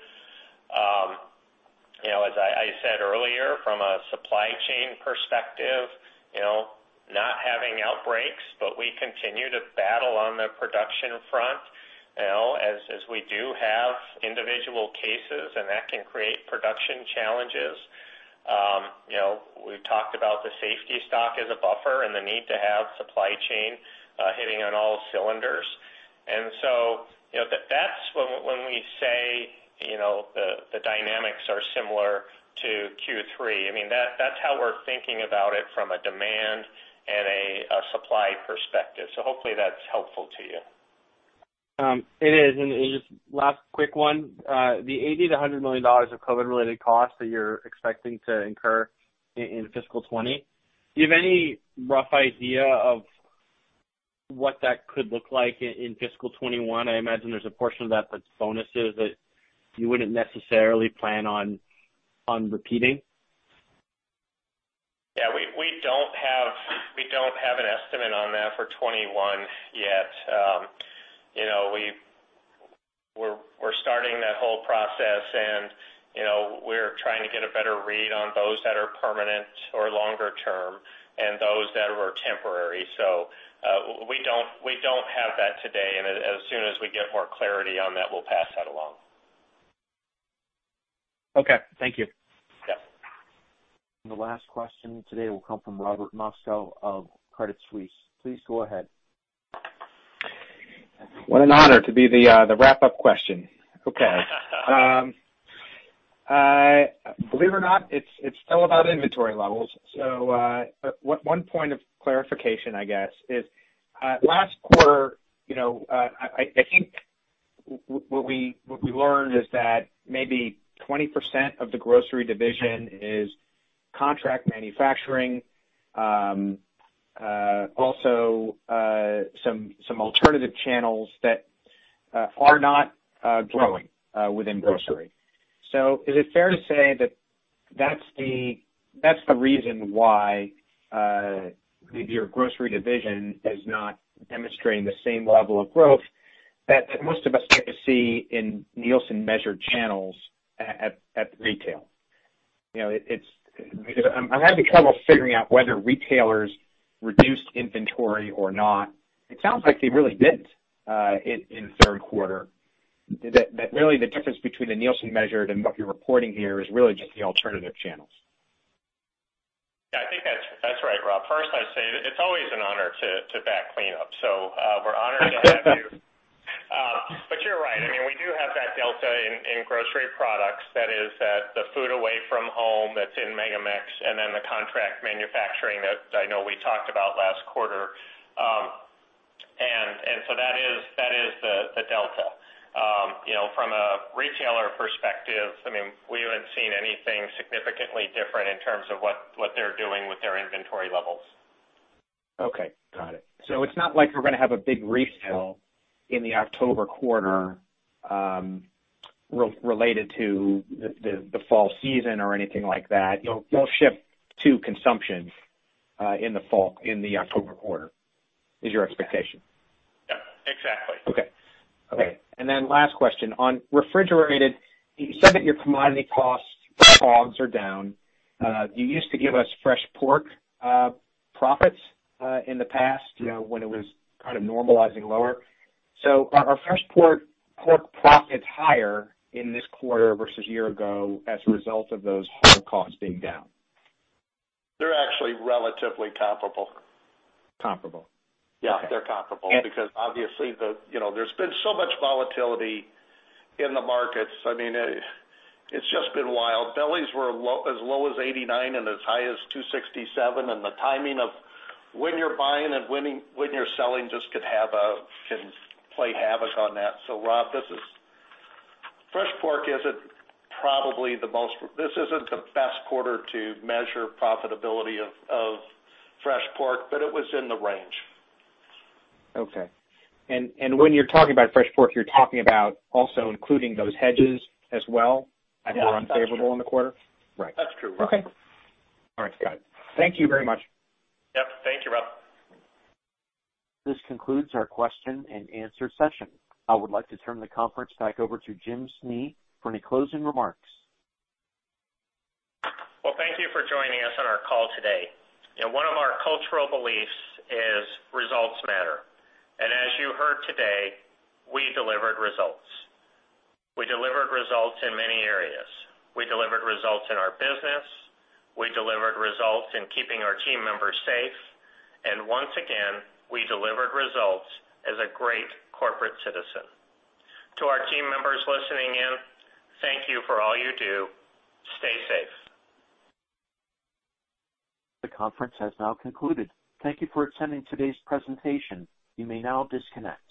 As I said earlier, from a supply chain perspective, not having outbreaks, but we continue to battle on the production front as we do have individual cases, and that can create production challenges. We talked about the safety stock as a buffer and the need to have supply chain hitting on all cylinders. That's when we say the dynamics are similar to Q3. I mean, that's how we're thinking about it from a demand and a supply perspective. Hopefully, that's helpful to you. It is. Just last quick one. The $80 million-$100 million of COVID-related costs that you're expecting to incur in fiscal 2020, do you have any rough idea of what that could look like in fiscal 2021? I imagine there's a portion of that that's bonuses that you wouldn't necessarily plan on repeating. Yeah. We don't have an estimate on that for 2021 yet. We're starting that whole process, and we're trying to get a better read on those that are permanent or longer term and those that were temporary. We don't have that today. As soon as we get more clarity on that, we'll pass that along. Okay. Thank you. Yep. The last question today will come from Robert Moskow of Credit Suisse. Please go ahead. What an honor to be the wrap-up question. Okay. Believe it or not, it's still about inventory levels. One point of clarification, I guess, is last quarter, I think what we learned is that maybe 20% of the grocery division is contract manufacturing, also some alternative channels that are not growing within grocery. Is it fair to say that that's the reason why maybe your grocery division is not demonstrating the same level of growth that most of us get to see in Nielsen-measured channels at retail? I'm having trouble figuring out whether retailers reduced inventory or not. It sounds like they really didn't in third quarter. Really, the difference between the Nielsen-measured and what you're reporting here is really just the alternative channels. Yeah. I think that's right, Rob. First, I'd say it's always an honor to back cleanup. So we're honored to have you. You're right. I mean, we do have that delta in grocery products. That is the food away from home that's in MegaMex and then the contract manufacturing that I know we talked about last quarter. That is the delta. From a retailer perspective, I mean, we haven't seen anything significantly different in terms of what they're doing with their inventory levels. Okay. Got it. So it's not like we're going to have a big resale in the October quarter related to the fall season or anything like that. You'll shift to consumption in the October quarter is your expectation. Yeah. Exactly. Okay. All right. Last question. On refrigerated, you said that your commodity costs for hogs are down. You used to give us fresh pork profits in the past when it was kind of normalizing lower. Are fresh pork profits higher in this quarter versus a year ago as a result of those hog costs being down? They're actually relatively comparable. Comparable. Yeah. They're comparable because obviously, there's been so much volatility in the markets. I mean, it's just been wild. Bellies were as low as $89 and as high as $267. The timing of when you're buying and when you're selling just could have a can play havoc on that. Rob, fresh pork isn't probably the most this isn't the best quarter to measure profitability of fresh pork, but it was in the range. Okay. When you're talking about fresh pork, you're talking about also including those hedges as well that were unfavorable in the quarter? That's true. Right. Okay. All right. Got it. Thank you very much. Yep. Thank you, Rob. This concludes our question-and-answer session. I would like to turn the conference back over to Jim Snee for any closing remarks. Thank you for joining us on our call today. One of our cultural beliefs is results matter. As you heard today, we delivered results. We delivered results in many areas. We delivered results in our business. We delivered results in keeping our team members safe. Once again, we delivered results as a great corporate citizen. To our team members listening in, thank you for all you do. Stay safe. The conference has now concluded. Thank you for attending today's presentation. You may now disconnect.